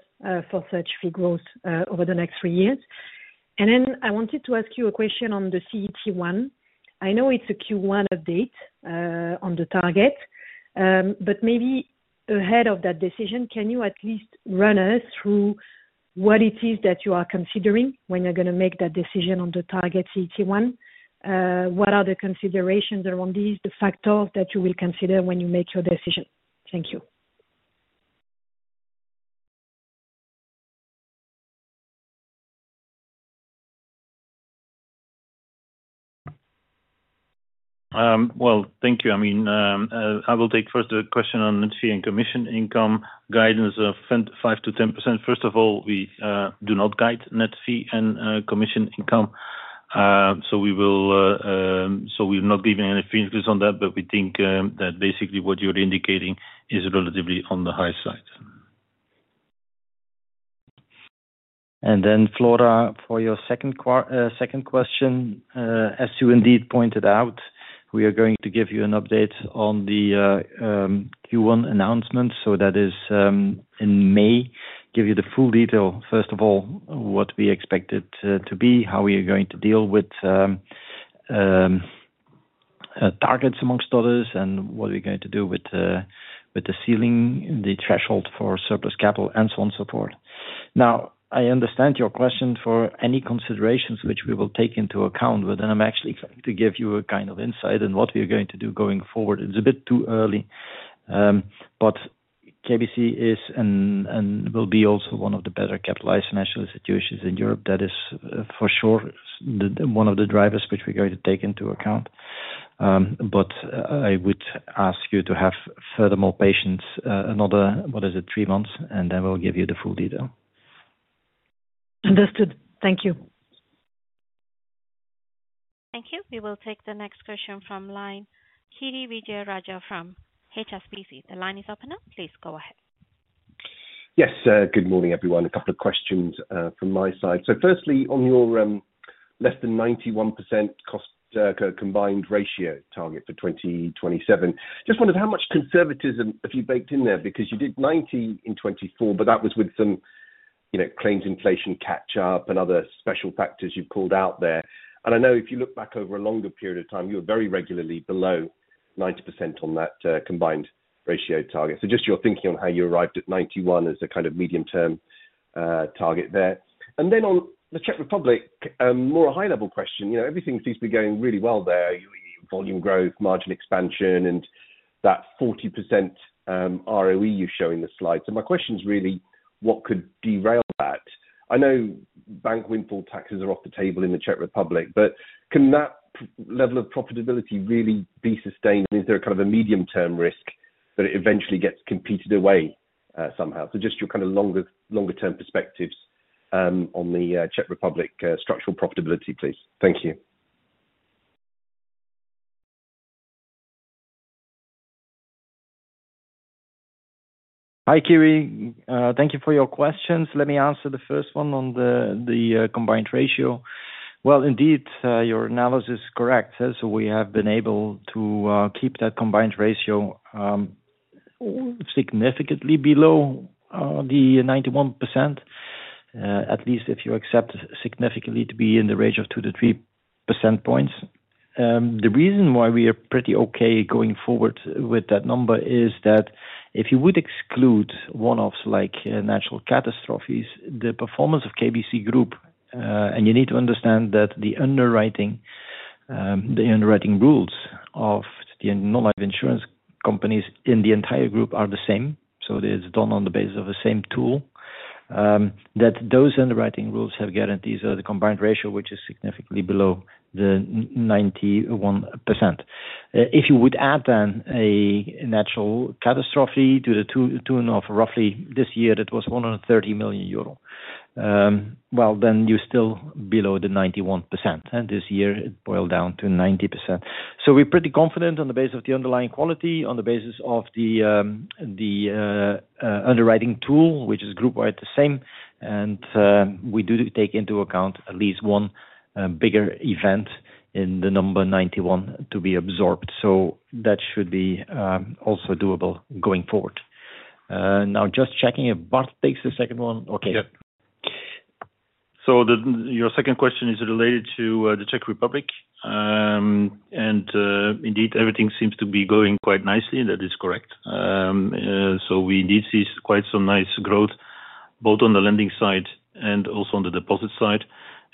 for such fee growth over the next three years. And then I wanted to ask you a question on the CET1. I know it's a Q1 update on the target, but maybe ahead of that decision, can you at least run us through what it is that you are considering when you're going to make that decision on the target CET1? What are the considerations around these, the factors that you will consider when you make your decision? Thank you. Well, thank you. I mean, I will take first the question on net fee and commission income guidance of 5%-10%. First of all, we do not guide net fee and commission income. So we will not give you any figures on that, but we think that basically what you're indicating is relatively on the high side. Flora, for your second question, as you indeed pointed out, we are going to give you an update on the Q1 announcement. So that is in May, give you the full detail, first of all, what we expected to be, how we are going to deal with targets among others, and what we're going to do with the ceiling, the threshold for surplus capital, and so on and so forth. Now, I understand your question for any considerations which we will take into account, but then I'm actually going to give you a kind of insight on what we are going to do going forward. It's a bit too early, but KBC is and will be also one of the better capitalized national institutions in Europe. That is for sure one of the drivers which we're going to take into account. But I would ask you to have further more patience another, what is it, three months, and then we'll give you the full detail. Understood. Thank you. Thank you. We will take the next question from line Kiri Vijayarajah from HSBC. The line is up and now please go ahead. Yes, good morning, everyone. A couple of questions from my side. So firstly, on your less than 91% combined ratio target for 2027, just wondered how much conservatism have you baked in there? Because you did 90% in 2024, but that was with some claims inflation catch-up and other special factors you've called out there. I know if you look back over a longer period of time, you were very regularly below 90% on that combined ratio target. So just your thinking on how you arrived at 91% as a kind of medium-term target there. Then on the Czech Republic, more a high-level question. Everything seems to be going really well there. Volume growth, margin expansion, and that 40% ROE you're showing the slide. So my question is really, what could derail that? I know bank windfall taxes are off the table in the Czech Republic, but can that level of profitability really be sustained? Is there a kind of a medium-term risk that it eventually gets competed away somehow? So just your kind of longer-term perspectives on the Czech Republic structural profitability, please. Thank you. Hi, Kiri. Thank you for your questions. Let me answer the first one on the combined ratio. Indeed, your analysis is correct. We have been able to keep that combined ratio significantly below the 91%, at least if you accept significantly to be in the range of two to three percentage points. The reason why we are pretty okay going forward with that number is that if you would exclude one-offs like natural catastrophes, the performance of KBC Group, and you need to understand that the underwriting rules of the non-life insurance companies in the entire group are the same. It's done on the basis of the same tool, that those underwriting rules have guarantees of the combined ratio, which is significantly below the 91%. If you would add then a natural catastrophe to the tune of roughly this year, that was 130 million euro, well, then you're still below the 91%. This year, it boiled down to 90%. We're pretty confident on the basis of the underlying quality, on the basis of the underwriting tool, which is group-wide the same. And we do take into account at least one bigger event in the number 91 to be absorbed. So that should be also doable going forward. Now, just checking if Bartel takes the second one. Okay. Yeah. So your second question is related to the Czech Republic. And indeed, everything seems to be going quite nicely. That is correct. So we indeed see quite some nice growth both on the lending side and also on the deposit side.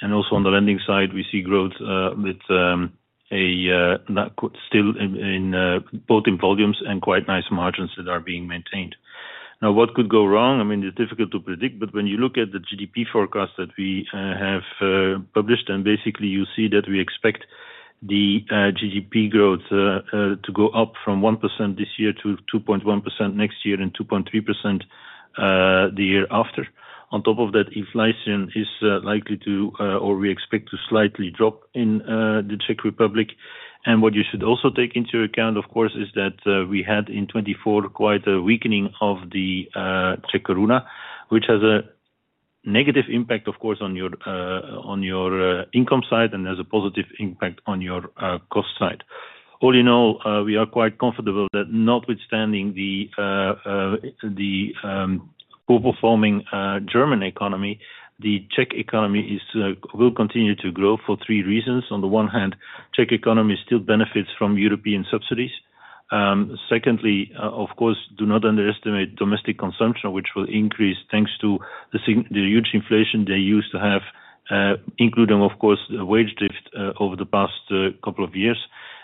And also on the lending side, we see growth with us still in both volumes and quite nice margins that are being maintained. Now, what could go wrong? I mean, it's difficult to predict, but when you look at the GDP forecast that we have published, then basically you see that we expect the GDP growth to go up from 1% this year to 2.1% next year and 2.3% the year after. On top of that, inflation is likely to, or we expect to slightly drop in the Czech Republic. And what you should also take into account, of course, is that we had in 2024 quite a weakening of the Czech koruna, which has a negative impact, of course, on your income side and has a positive impact on your cost side. All in all, we are quite comfortable that notwithstanding the poor-performing German economy, the Czech economy will continue to grow for three reasons. On the one hand, the Czech economy still benefits from European subsidies. Secondly, of course, do not underestimate domestic consumption, which will increase thanks to the huge inflation they used to have, including, of course, the wage drift over the past couple of years.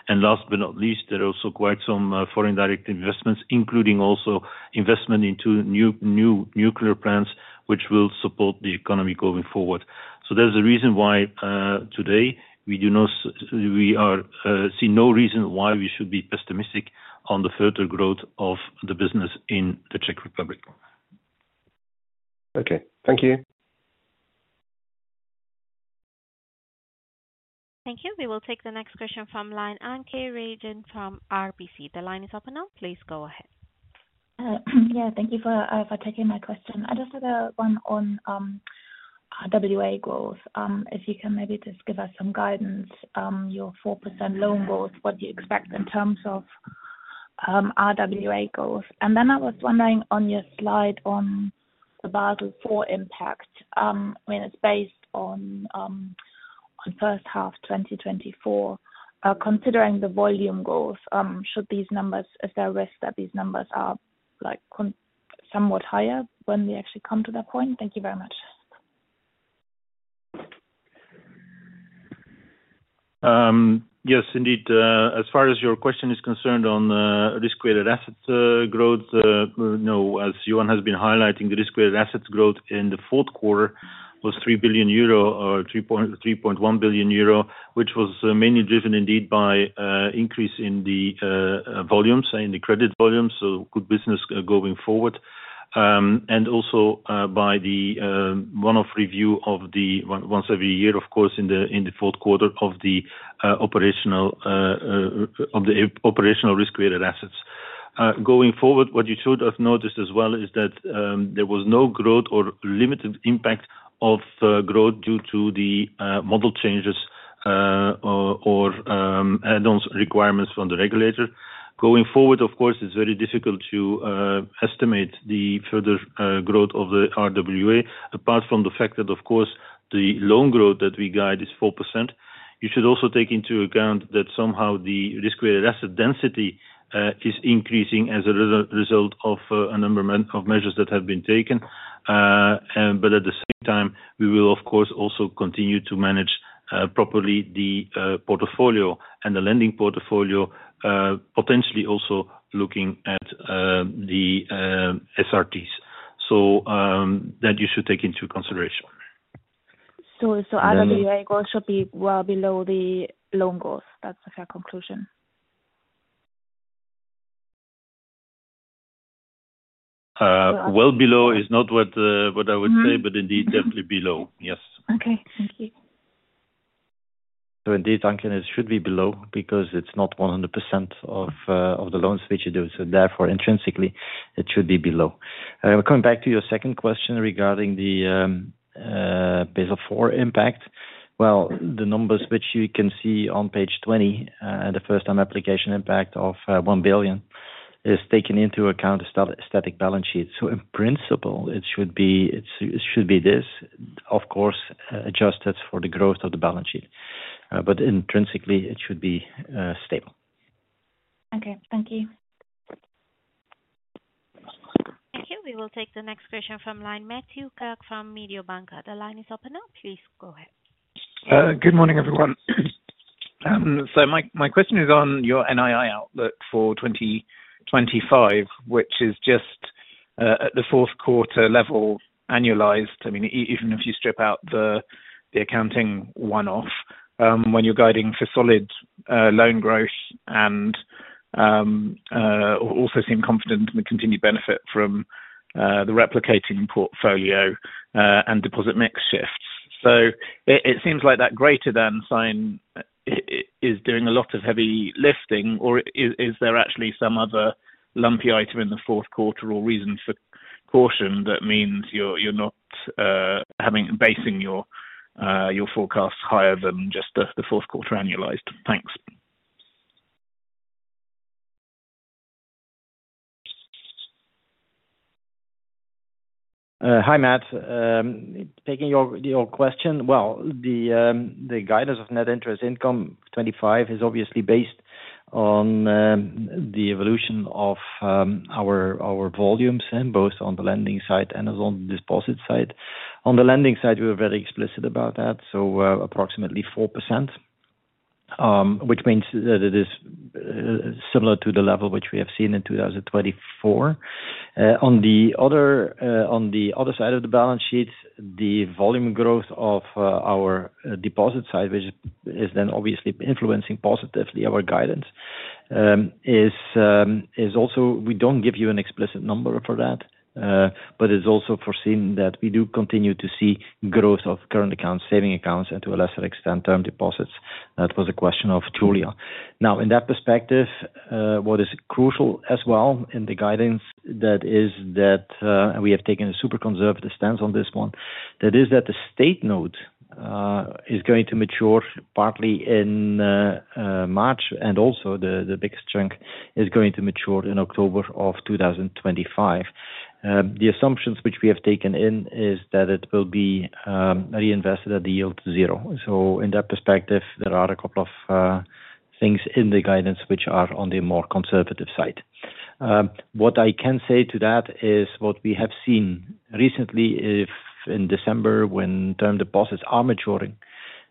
And last but not least, there are also quite some foreign direct investments, including also investment into new nuclear plants, which will support the economy going forward. So there's a reason why today we do not see no reason why we should be pessimistic on the further growth of the business in the Czech Republic. Okay. Thank you. Thank you. We will take the next question from line Anke Reingen from RBC. The line is up and now please go ahead. Yeah. Thank you for taking my question. I just had a one on RWA growth. If you can maybe just give us some guidance, your 4% loan growth, what do you expect in terms of RWA growth? I was wondering on your slide on the Basel IV impact, when it's based on first half 2024, considering the volume growth, should these numbers, is there a risk that these numbers are somewhat higher when we actually come to that point? Thank you very much. Yes, indeed. As far as your question is concerned on risk-weighted assets growth, as Johan has been highlighting, the risk-weighted assets growth in the Q4 was 3 billion euro or 3.1 billion euro, which was mainly driven indeed by an increase in the volumes, in the credit volumes, so good business going forward, and also by the one-off review of the once every year, of course, in the Q4 of the operational risk-weighted assets. Going forward, what you should have noticed as well is that there was no growth or limited impact of growth due to the model changes or add-ons requirements from the regulator. Going forward, of course, it's very difficult to estimate the further growth of the RWA, apart from the fact that, of course, the loan growth that we guide is 4%. You should also take into account that somehow the risk-weighted asset density is increasing as a result of a number of measures that have been taken, but at the same time, we will, of course, also continue to manage properly the portfolio and the lending portfolio, potentially also looking at the SRTs, so that you should take into consideration, so RWA growth should be well below the loan growth. That's a fair conclusion, well below is not what I would say, but indeed, definitely below. Yes. Okay. Thank you. So indeed, Anke, it should be below because it's not 100% of the loans which you do. So therefore, intrinsically, it should be below. Coming back to your second question regarding the Basel IV impact, well, the numbers which you can see on page 20, the first-time application impact of 1 billion, is taken into account a static balance sheet. So in principle, it should be this, of course, adjusted for the growth of the balance sheet. But intrinsically, it should be stable. Okay. Thank you. Thank you. We will take the next question from line Matthew Clark from Mediobanca. The line is up and now please go ahead. Good morning, everyone. So my question is on your NII outlook for 2025, which is just at the Q4 level annualized. I mean, even if you strip out the accounting one-off, when you're guiding for solid loan growth and also seem confident in the continued benefit from the replicating portfolio and deposit mix shifts. So it seems like that greater than sign is doing a lot of heavy lifting, or is there actually some other lumpy item in the Q4 or reason for caution that means you're not basing your forecast higher than just the Q4 annualized? Thanks. Hi, Matt. Taking your question, well, the guidance of net interest income 25 is obviously based on the evolution of our volumes, both on the lending side and on the deposit side. On the lending side, we were very explicit about that, so approximately 4%, which means that it is similar to the level which we have seen in 2024. On the other side of the balance sheet, the volume growth of our deposit side, which is then obviously influencing positively our guidance, is also we don't give you an explicit number for that, but it's also foreseen that we do continue to see growth of current accounts, saving accounts, and to a lesser extent, term deposits. That was a question of Giulia. Now, in that perspective, what is crucial as well in the guidance that is that we have taken a super conservative stance on this one, that is that the State Note is going to mature partly in March, and also the biggest chunk is going to mature in October of 2025. The assumptions which we have taken in is that it will be reinvested at the yield to zero. In that perspective, there are a couple of things in the guidance which are on the more conservative side. What I can say to that is what we have seen recently in December when term deposits are maturing,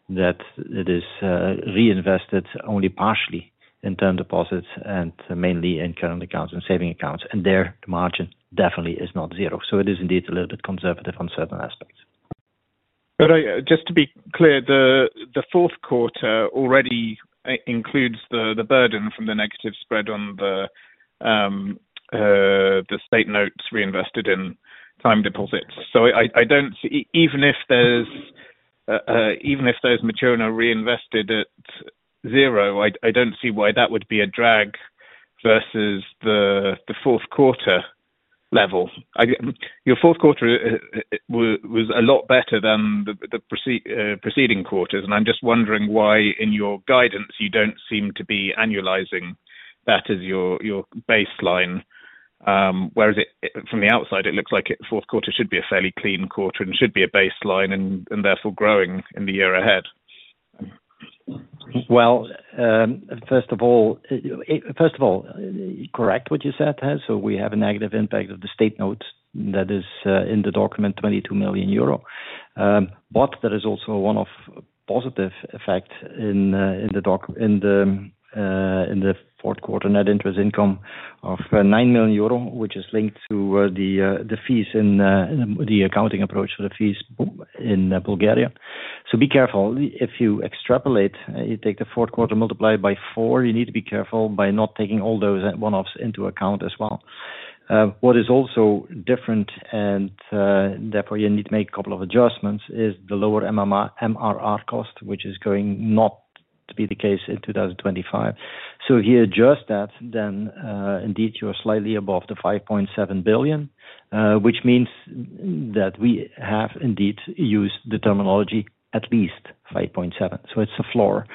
that they are reinvested only partially in term deposits and mainly in current accounts and saving accounts, and there the margin definitely is not zero. It is indeed a little bit conservative on certain aspects. Just to be clear, the Q4 already includes the burden from the negative spread on the State Notes reinvested in time deposits. I don't see, even if they mature and are reinvested at zero, why that would be a drag versus the Q4 level. Your Q4 was a lot better than the preceding quarters. I'm just wondering why in your guidance you don't seem to be annualizing that as your baseline. Whereas from the outside, it looks like the Q4 should be a fairly clean quarter and should be a baseline and therefore growing in the year ahead. First of all, first of all, correct what you said, so we have a negative impact of the State Notes that is in the document, 22 million euro. But there is also one-off positive effects in the Q4 net interest income of nine million euro, which is linked to the fees in the accounting approach for the fees in Bulgaria. So be careful if you extrapolate, you take the Q4 multiply by four, you need to be careful by not taking all those one-offs into account as well. What is also different and therefore you need to make a couple of adjustments is the lower MRR cost, which is going not to be the case in 2025. So if you adjust that, then indeed you're slightly above the 5.7 billion, which means that we have indeed used the terminology at least 5.7 billion. So it's a floor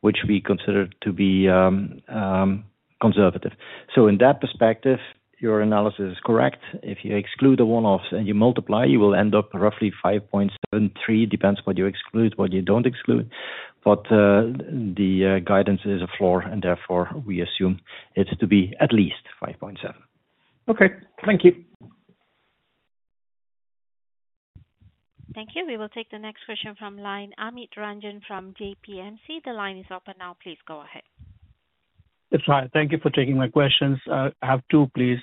which we consider to be conservative. So in that perspective, your analysis is correct. If you exclude the one-offs and you multiply, you will end up roughly 5.73 billion, depends what you exclude, what you don't exclude. But the guidance is a floor and therefore we assume it's to be at least 5.7 billion. Okay. Thank you. Thank you. We will take the next question from line Amit Ranjan from JPMC. The line is up and now please go ahead. Hi. Thank you for taking my questions. I have two, please.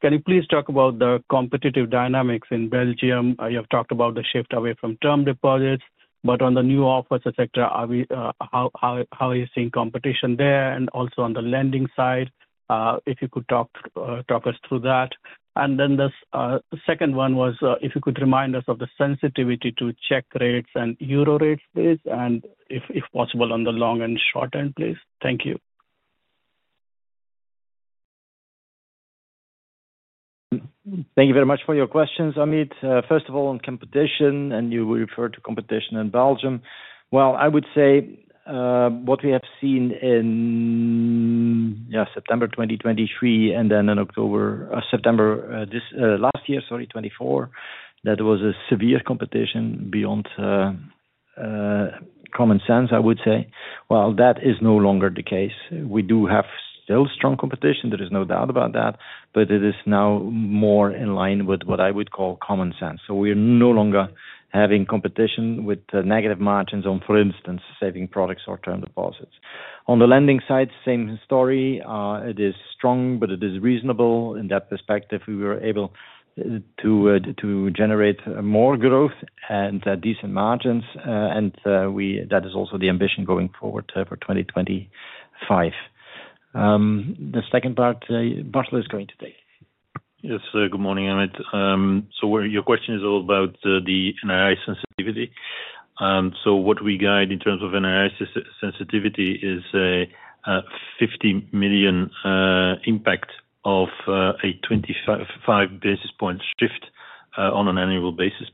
Can you please talk about the competitive dynamics in Belgium? You have talked about the shift away from term deposits, but on the new offers, etc., how are you seeing competition there? And also on the lending side, if you could talk us through that. And then the second one was if you could remind us of the sensitivity to Czech rates and euro rates, please, and if possible on the long and short end, please. Thank you. Thank you very much for your questions, Amit. First of all, on competition, and you referred to competition in Belgium. Well, I would say what we have seen in September 2023 and then in September last year, sorry, 2024, that there was a severe competition beyond common sense, I would say. Well, that is no longer the case. We do have still strong competition. There is no doubt about that, but it is now more in line with what I would call common sense. So we are no longer having competition with negative margins on, for instance, saving products or term deposits. On the lending side, same story. It is strong, but it is reasonable. In that perspective, we were able to generate more growth and decent margins, and that is also the ambition going forward for 2025. The second part, Bartel is going to take. Yes. Good morning, Amit. So your question is all about the NII sensitivity. So what we guide in terms of NII sensitivity is a 50 million impact of a 25 basis point shift on an annual basis.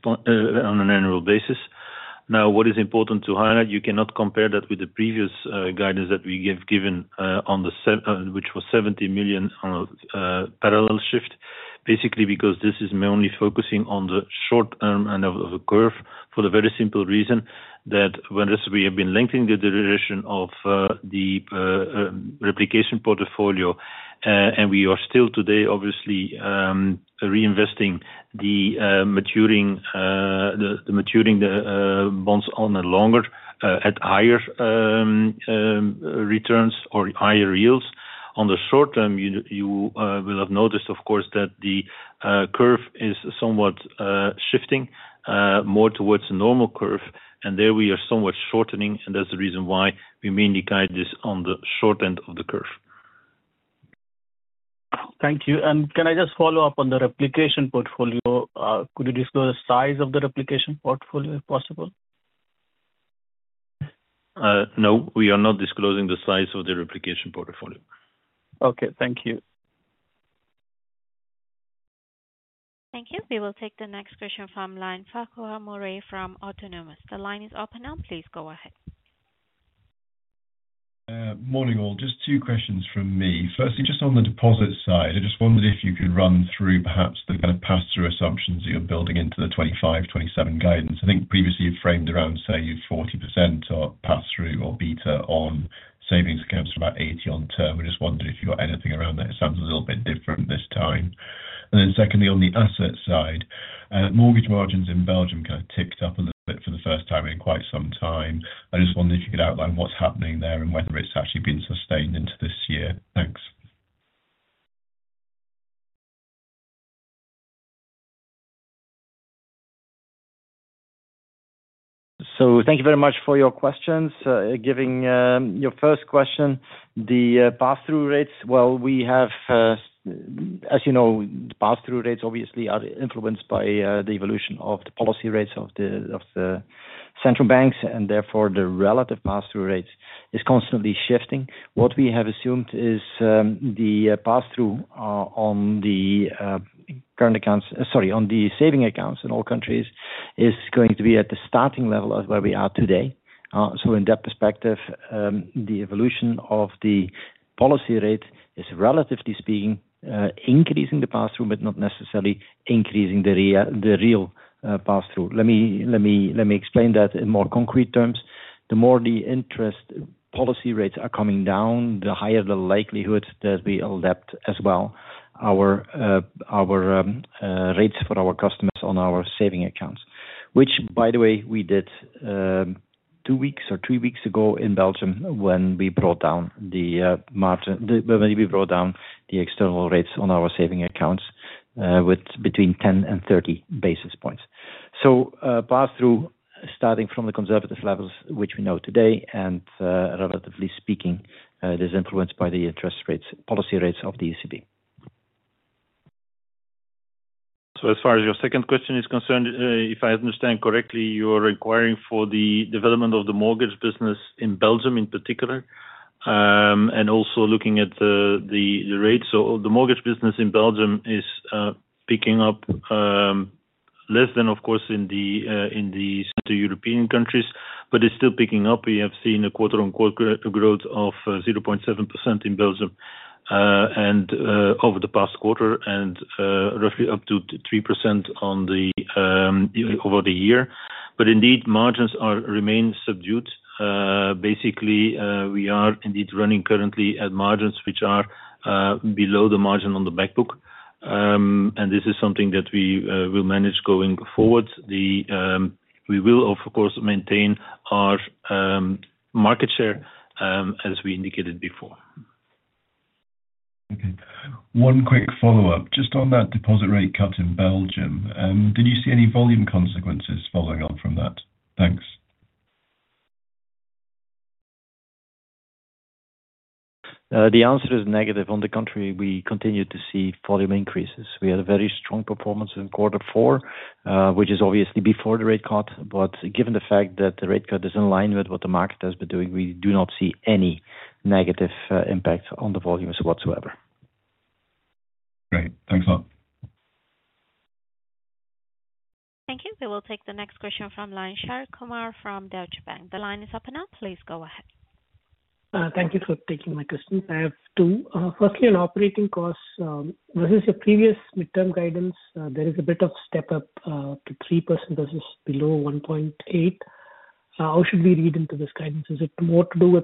Now, what is important to highlight, you cannot compare that with the previous guidance that we have given on the, which was 70 million on a parallel shift, basically because this is mainly focusing on the short term end of the curve for the very simple reason that when we have been lengthening the duration of the replication portfolio, and we are still today, obviously, reinvesting the maturing bonds on a longer at higher returns or higher yields. On the short term, you will have noticed, of course, that the curve is somewhat shifting more towards a normal curve, and there we are somewhat shortening, and that's the reason why we mainly guide this on the short end of the curve. Thank you. And can I just follow up on the replication portfolio? Could you disclose the size of the replication portfolio if possible? No, we are not disclosing the size of the replication portfolio. Okay. Thank you. Thank you. We will take the next question from Farquhar Murray from Autonomous. The line is up and now please go ahead. Morning, all. Just two questions from me. Firstly, just on the deposit side, I just wondered if you could run through perhaps the kind of pass-through assumptions that you're building into the 25, 27 guidance. I think previously you framed around, say, 40% or pass-through or beta on savings accounts for about 80 on term. It sounds a little bit different this time. And then secondly, on the asset side, mortgage margins in Belgium kind of ticked up a little bit for the first time in quite some time. I just wondered if you could outline what's happening there and whether it's actually been sustained into this year. Thanks. Thank you very much for your questions. Regarding your first question, the pass-through rates, well, we have, as you know, the pass-through rates obviously are influenced by the evolution of the policy rates of the central banks, and therefore the relative pass-through rate is constantly shifting. What we have assumed is the pass-through on the current accounts, sorry, on the saving accounts in all countries is going to be at the starting level of where we are today. In that perspective, the evolution of the policy rate is, relatively speaking, increasing the pass-through, but not necessarily increasing the real pass-through. Let me explain that in more concrete terms. The more the interest policy rates are coming down, the higher the likelihood that we will adapt as well our rates for our customers on our saving accounts, which, by the way, we did two weeks or three weeks ago in Belgium when we brought down the margin, when we brought down the external rates on our saving accounts with between 10 and 30 basis points. So pass-through starting from the conservative levels, which we know today, and relatively speaking, it is influenced by the interest rates policy rates of the ECB. So as far as your second question is concerned, if I understand correctly, you're inquiring for the development of the mortgage business in Belgium in particular, and also looking at the rates. So the mortgage business in Belgium is picking up less than, of course, in the Central European countries, but it's still picking up. We have seen a quarter-on-quarter growth of 0.7% in Belgium over the past quarter and roughly up to 3% over the year. But indeed, margins remain subdued. Basically, we are indeed running currently at margins which are below the margin on the back book, and this is something that we will manage going forward. We will, of course, maintain our market share as we indicated before. Okay. One quick follow-up. Just on that deposit rate cut in Belgium, did you see any volume consequences following on from that? Thanks. The answer is negative. On the contrary, we continue to see volume increases. We had a very strong performance in quarter four, which is obviously before the rate cut. But given the fact that the rate cut is in line with what the market has been doing, we do not see any negative impact on the volumes whatsoever. Great. Thanks a lot. Thank you. We will take the next question from line Sharath Kumar from Deutsche Bank. The line is up and now please go ahead. Thank you for taking my question. I have two. Firstly, on operating costs, versus your previous midterm guidance, there is a bit of step up to 3% versus below 1.8%. How should we read into this guidance? Is it more to do with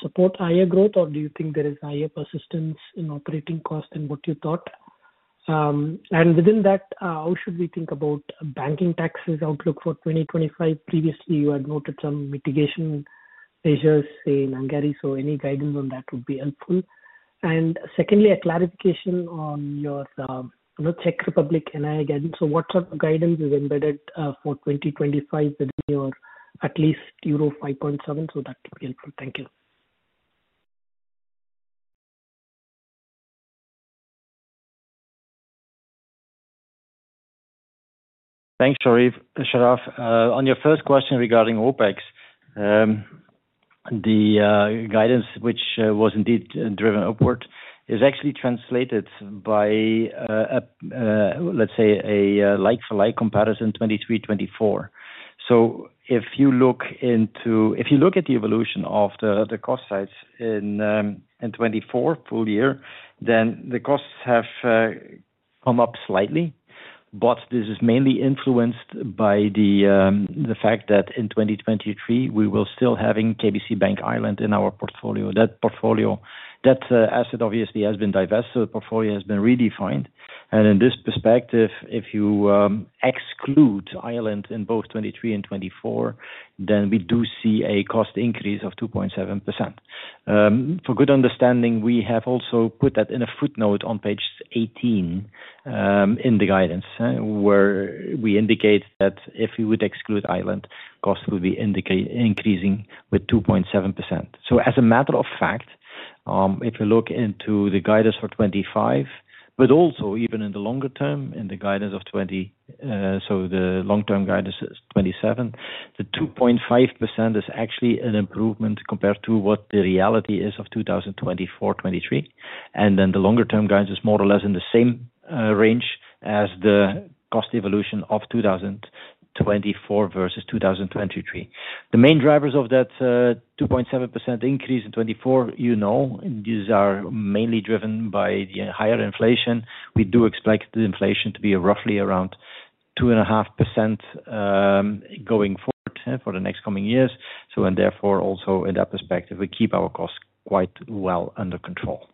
support higher growth, or do you think there is higher persistence in operating costs than what you thought? And within that, how should we think about banking taxes outlook for 2025? Previously, you had noted some mitigation measures, say, in Hungary, so any guidance on that would be helpful. And secondly, a clarification on your Czech Republic NII guidance. So what sort of guidance is embedded for 2025 within your at least euro 5.7? So that would be helpful. Thank you. Thanks, Sharath. On your first question regarding OPEX, the guidance, which was indeed driven upward, is actually translated by, let's say, a like-for-like comparison 2023, 2024. So if you look at the evolution of the cost side in 2024 full year, then the costs have come up slightly, but this is mainly influenced by the fact that in 2023, we will still have KBC Bank Ireland in our portfolio. That portfolio, that asset obviously has been divested, so the portfolio has been redefined. In this perspective, if you exclude Ireland in both 2023 and 2024, then we do see a cost increase of 2.7%. For good understanding, we have also put that in a footnote on page 18 in the guidance where we indicate that if we would exclude Ireland, costs would be increasing with 2.7%. So as a matter of fact, if you look into the guidance for 2025, but also even in the longer term, in the guidance of 2020, so the long-term guidance is 2027, the 2.5% is actually an improvement compared to what the reality is of 2024, 2023. And then the longer-term guidance is more or less in the same range as the cost evolution of 2024 versus 2023. The main drivers of that 2.7% increase in 2024, you know, these are mainly driven by the higher inflation. We do expect the inflation to be roughly around 2.5% going forward for the next coming years. So therefore, also in that perspective, we keep our costs quite well under control.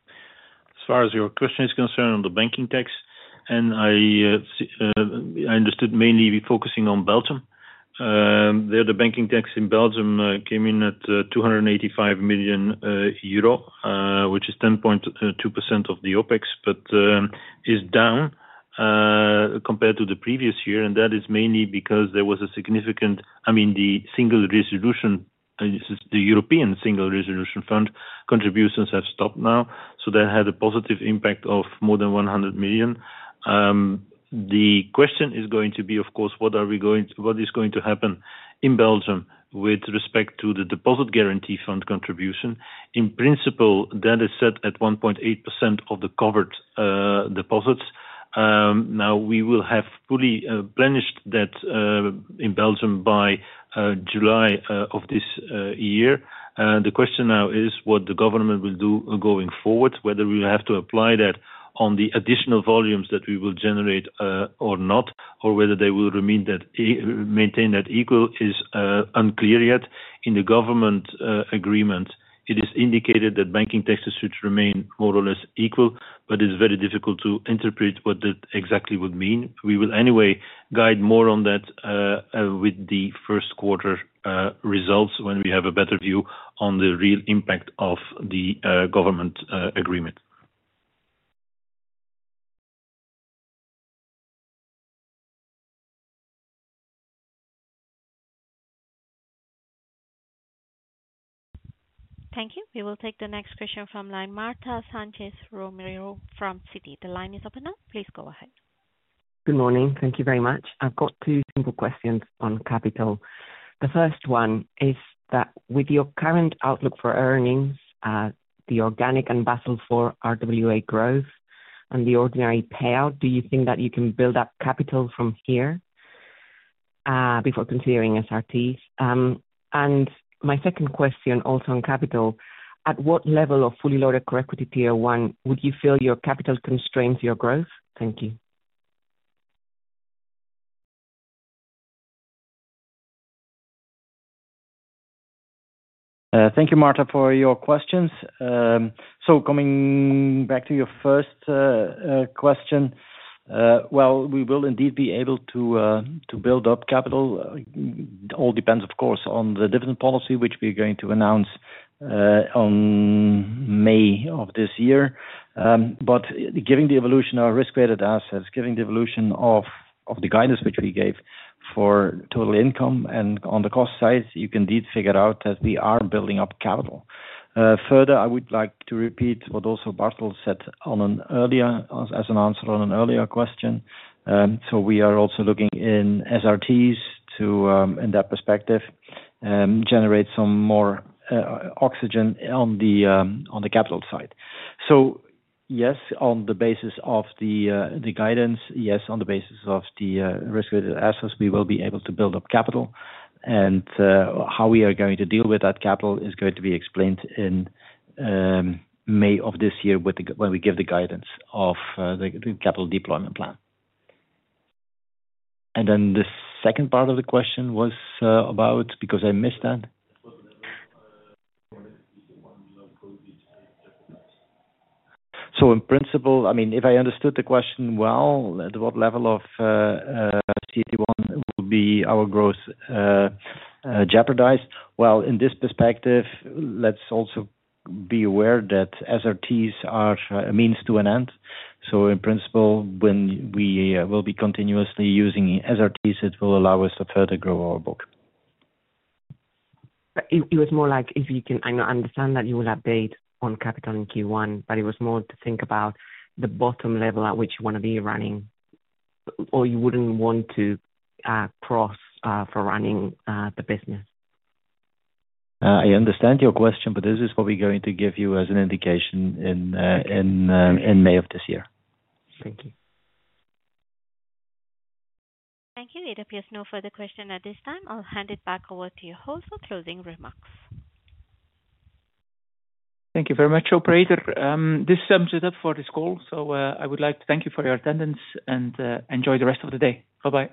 As far as your question is concerned on the banking tax, and I understood mainly we're focusing on Belgium. The other banking tax in Belgium came in at 285 million euro, which is 10.2% of the OpEx, but is down compared to the previous year. That is mainly because there was a significant I mean, the Single Resolution Fund, the European Single Resolution Fund contributions have stopped now. That had a positive impact of more than 100 million. The question is going to be, of course, what is going to happen in Belgium with respect to the Deposit Guarantee Fund contribution. In principle, that is set at 1.8% of the covered deposits. Now, we will have fully replenished that in Belgium by July of this year. The question now is what the government will do going forward, whether we will have to apply that on the additional volumes that we will generate or not, or whether they will maintain that equal is unclear yet. In the government agreement, it is indicated that banking taxes should remain more or less equal, but it's very difficult to interpret what that exactly would mean. We will anyway guide more on that with the Q1 results when we have a better view on the real impact of the government agreement. Thank you. We will take the next question from Marta Sanchez Romero from Citi. The line is up and now please go ahead. Good morning. Thank you very much. I've got two simple questions on capital. The first one is that with your current outlook for earnings, the organic and Basel IV RWA growth and the ordinary payout, do you think that you can build up capital from here before considering SRTs? And my second question also on capital, at what level of fully loaded CET1 would you feel your capital constrains your growth? Thank you. Thank you, Marta, for your questions. So coming back to your first question, well, we will indeed be able to build up capital. It all depends, of course, on the dividend policy, which we're going to announce on May of this year. But given the evolution of risk-weighted assets, given the evolution of the guidance which we gave for total income and on the cost side, you can indeed figure out that we are building up capital. Further, I would like to repeat what also Bartel said as an answer on an earlier question. So we are also looking in SRTs to, in that perspective, generate some more oxygen on the capital side. So yes, on the basis of the guidance, yes, on the basis of the risk-weighted assets, we will be able to build up capital. How we are going to deal with that capital is going to be explained in May of this year when we give the guidance of the capital deployment plan. Then the second part of the question was about, because I missed that. So in principle, I mean, if I understood the question well, at what level of CET1 will be our growth jeopardized? Well, in this perspective, let's also be aware that SRTs are a means to an end. So in principle, when we will be continuously using SRTs, it will allow us to further grow our book. It was more like if you can understand that you will update on capital in Q1, but it was more to think about the bottom level at which you want to be running or you wouldn't want to cross for running the business. I understand your question, but this is what we're going to give you as an indication in May of this year. Thank you. Thank you. It appears no further question at this time. I'll hand it back over to your host for closing remarks. Thank you very much, Operator. This sums it up for this call. So I would like to thank you for your attendance and enjoy the rest of the day. Bye-bye.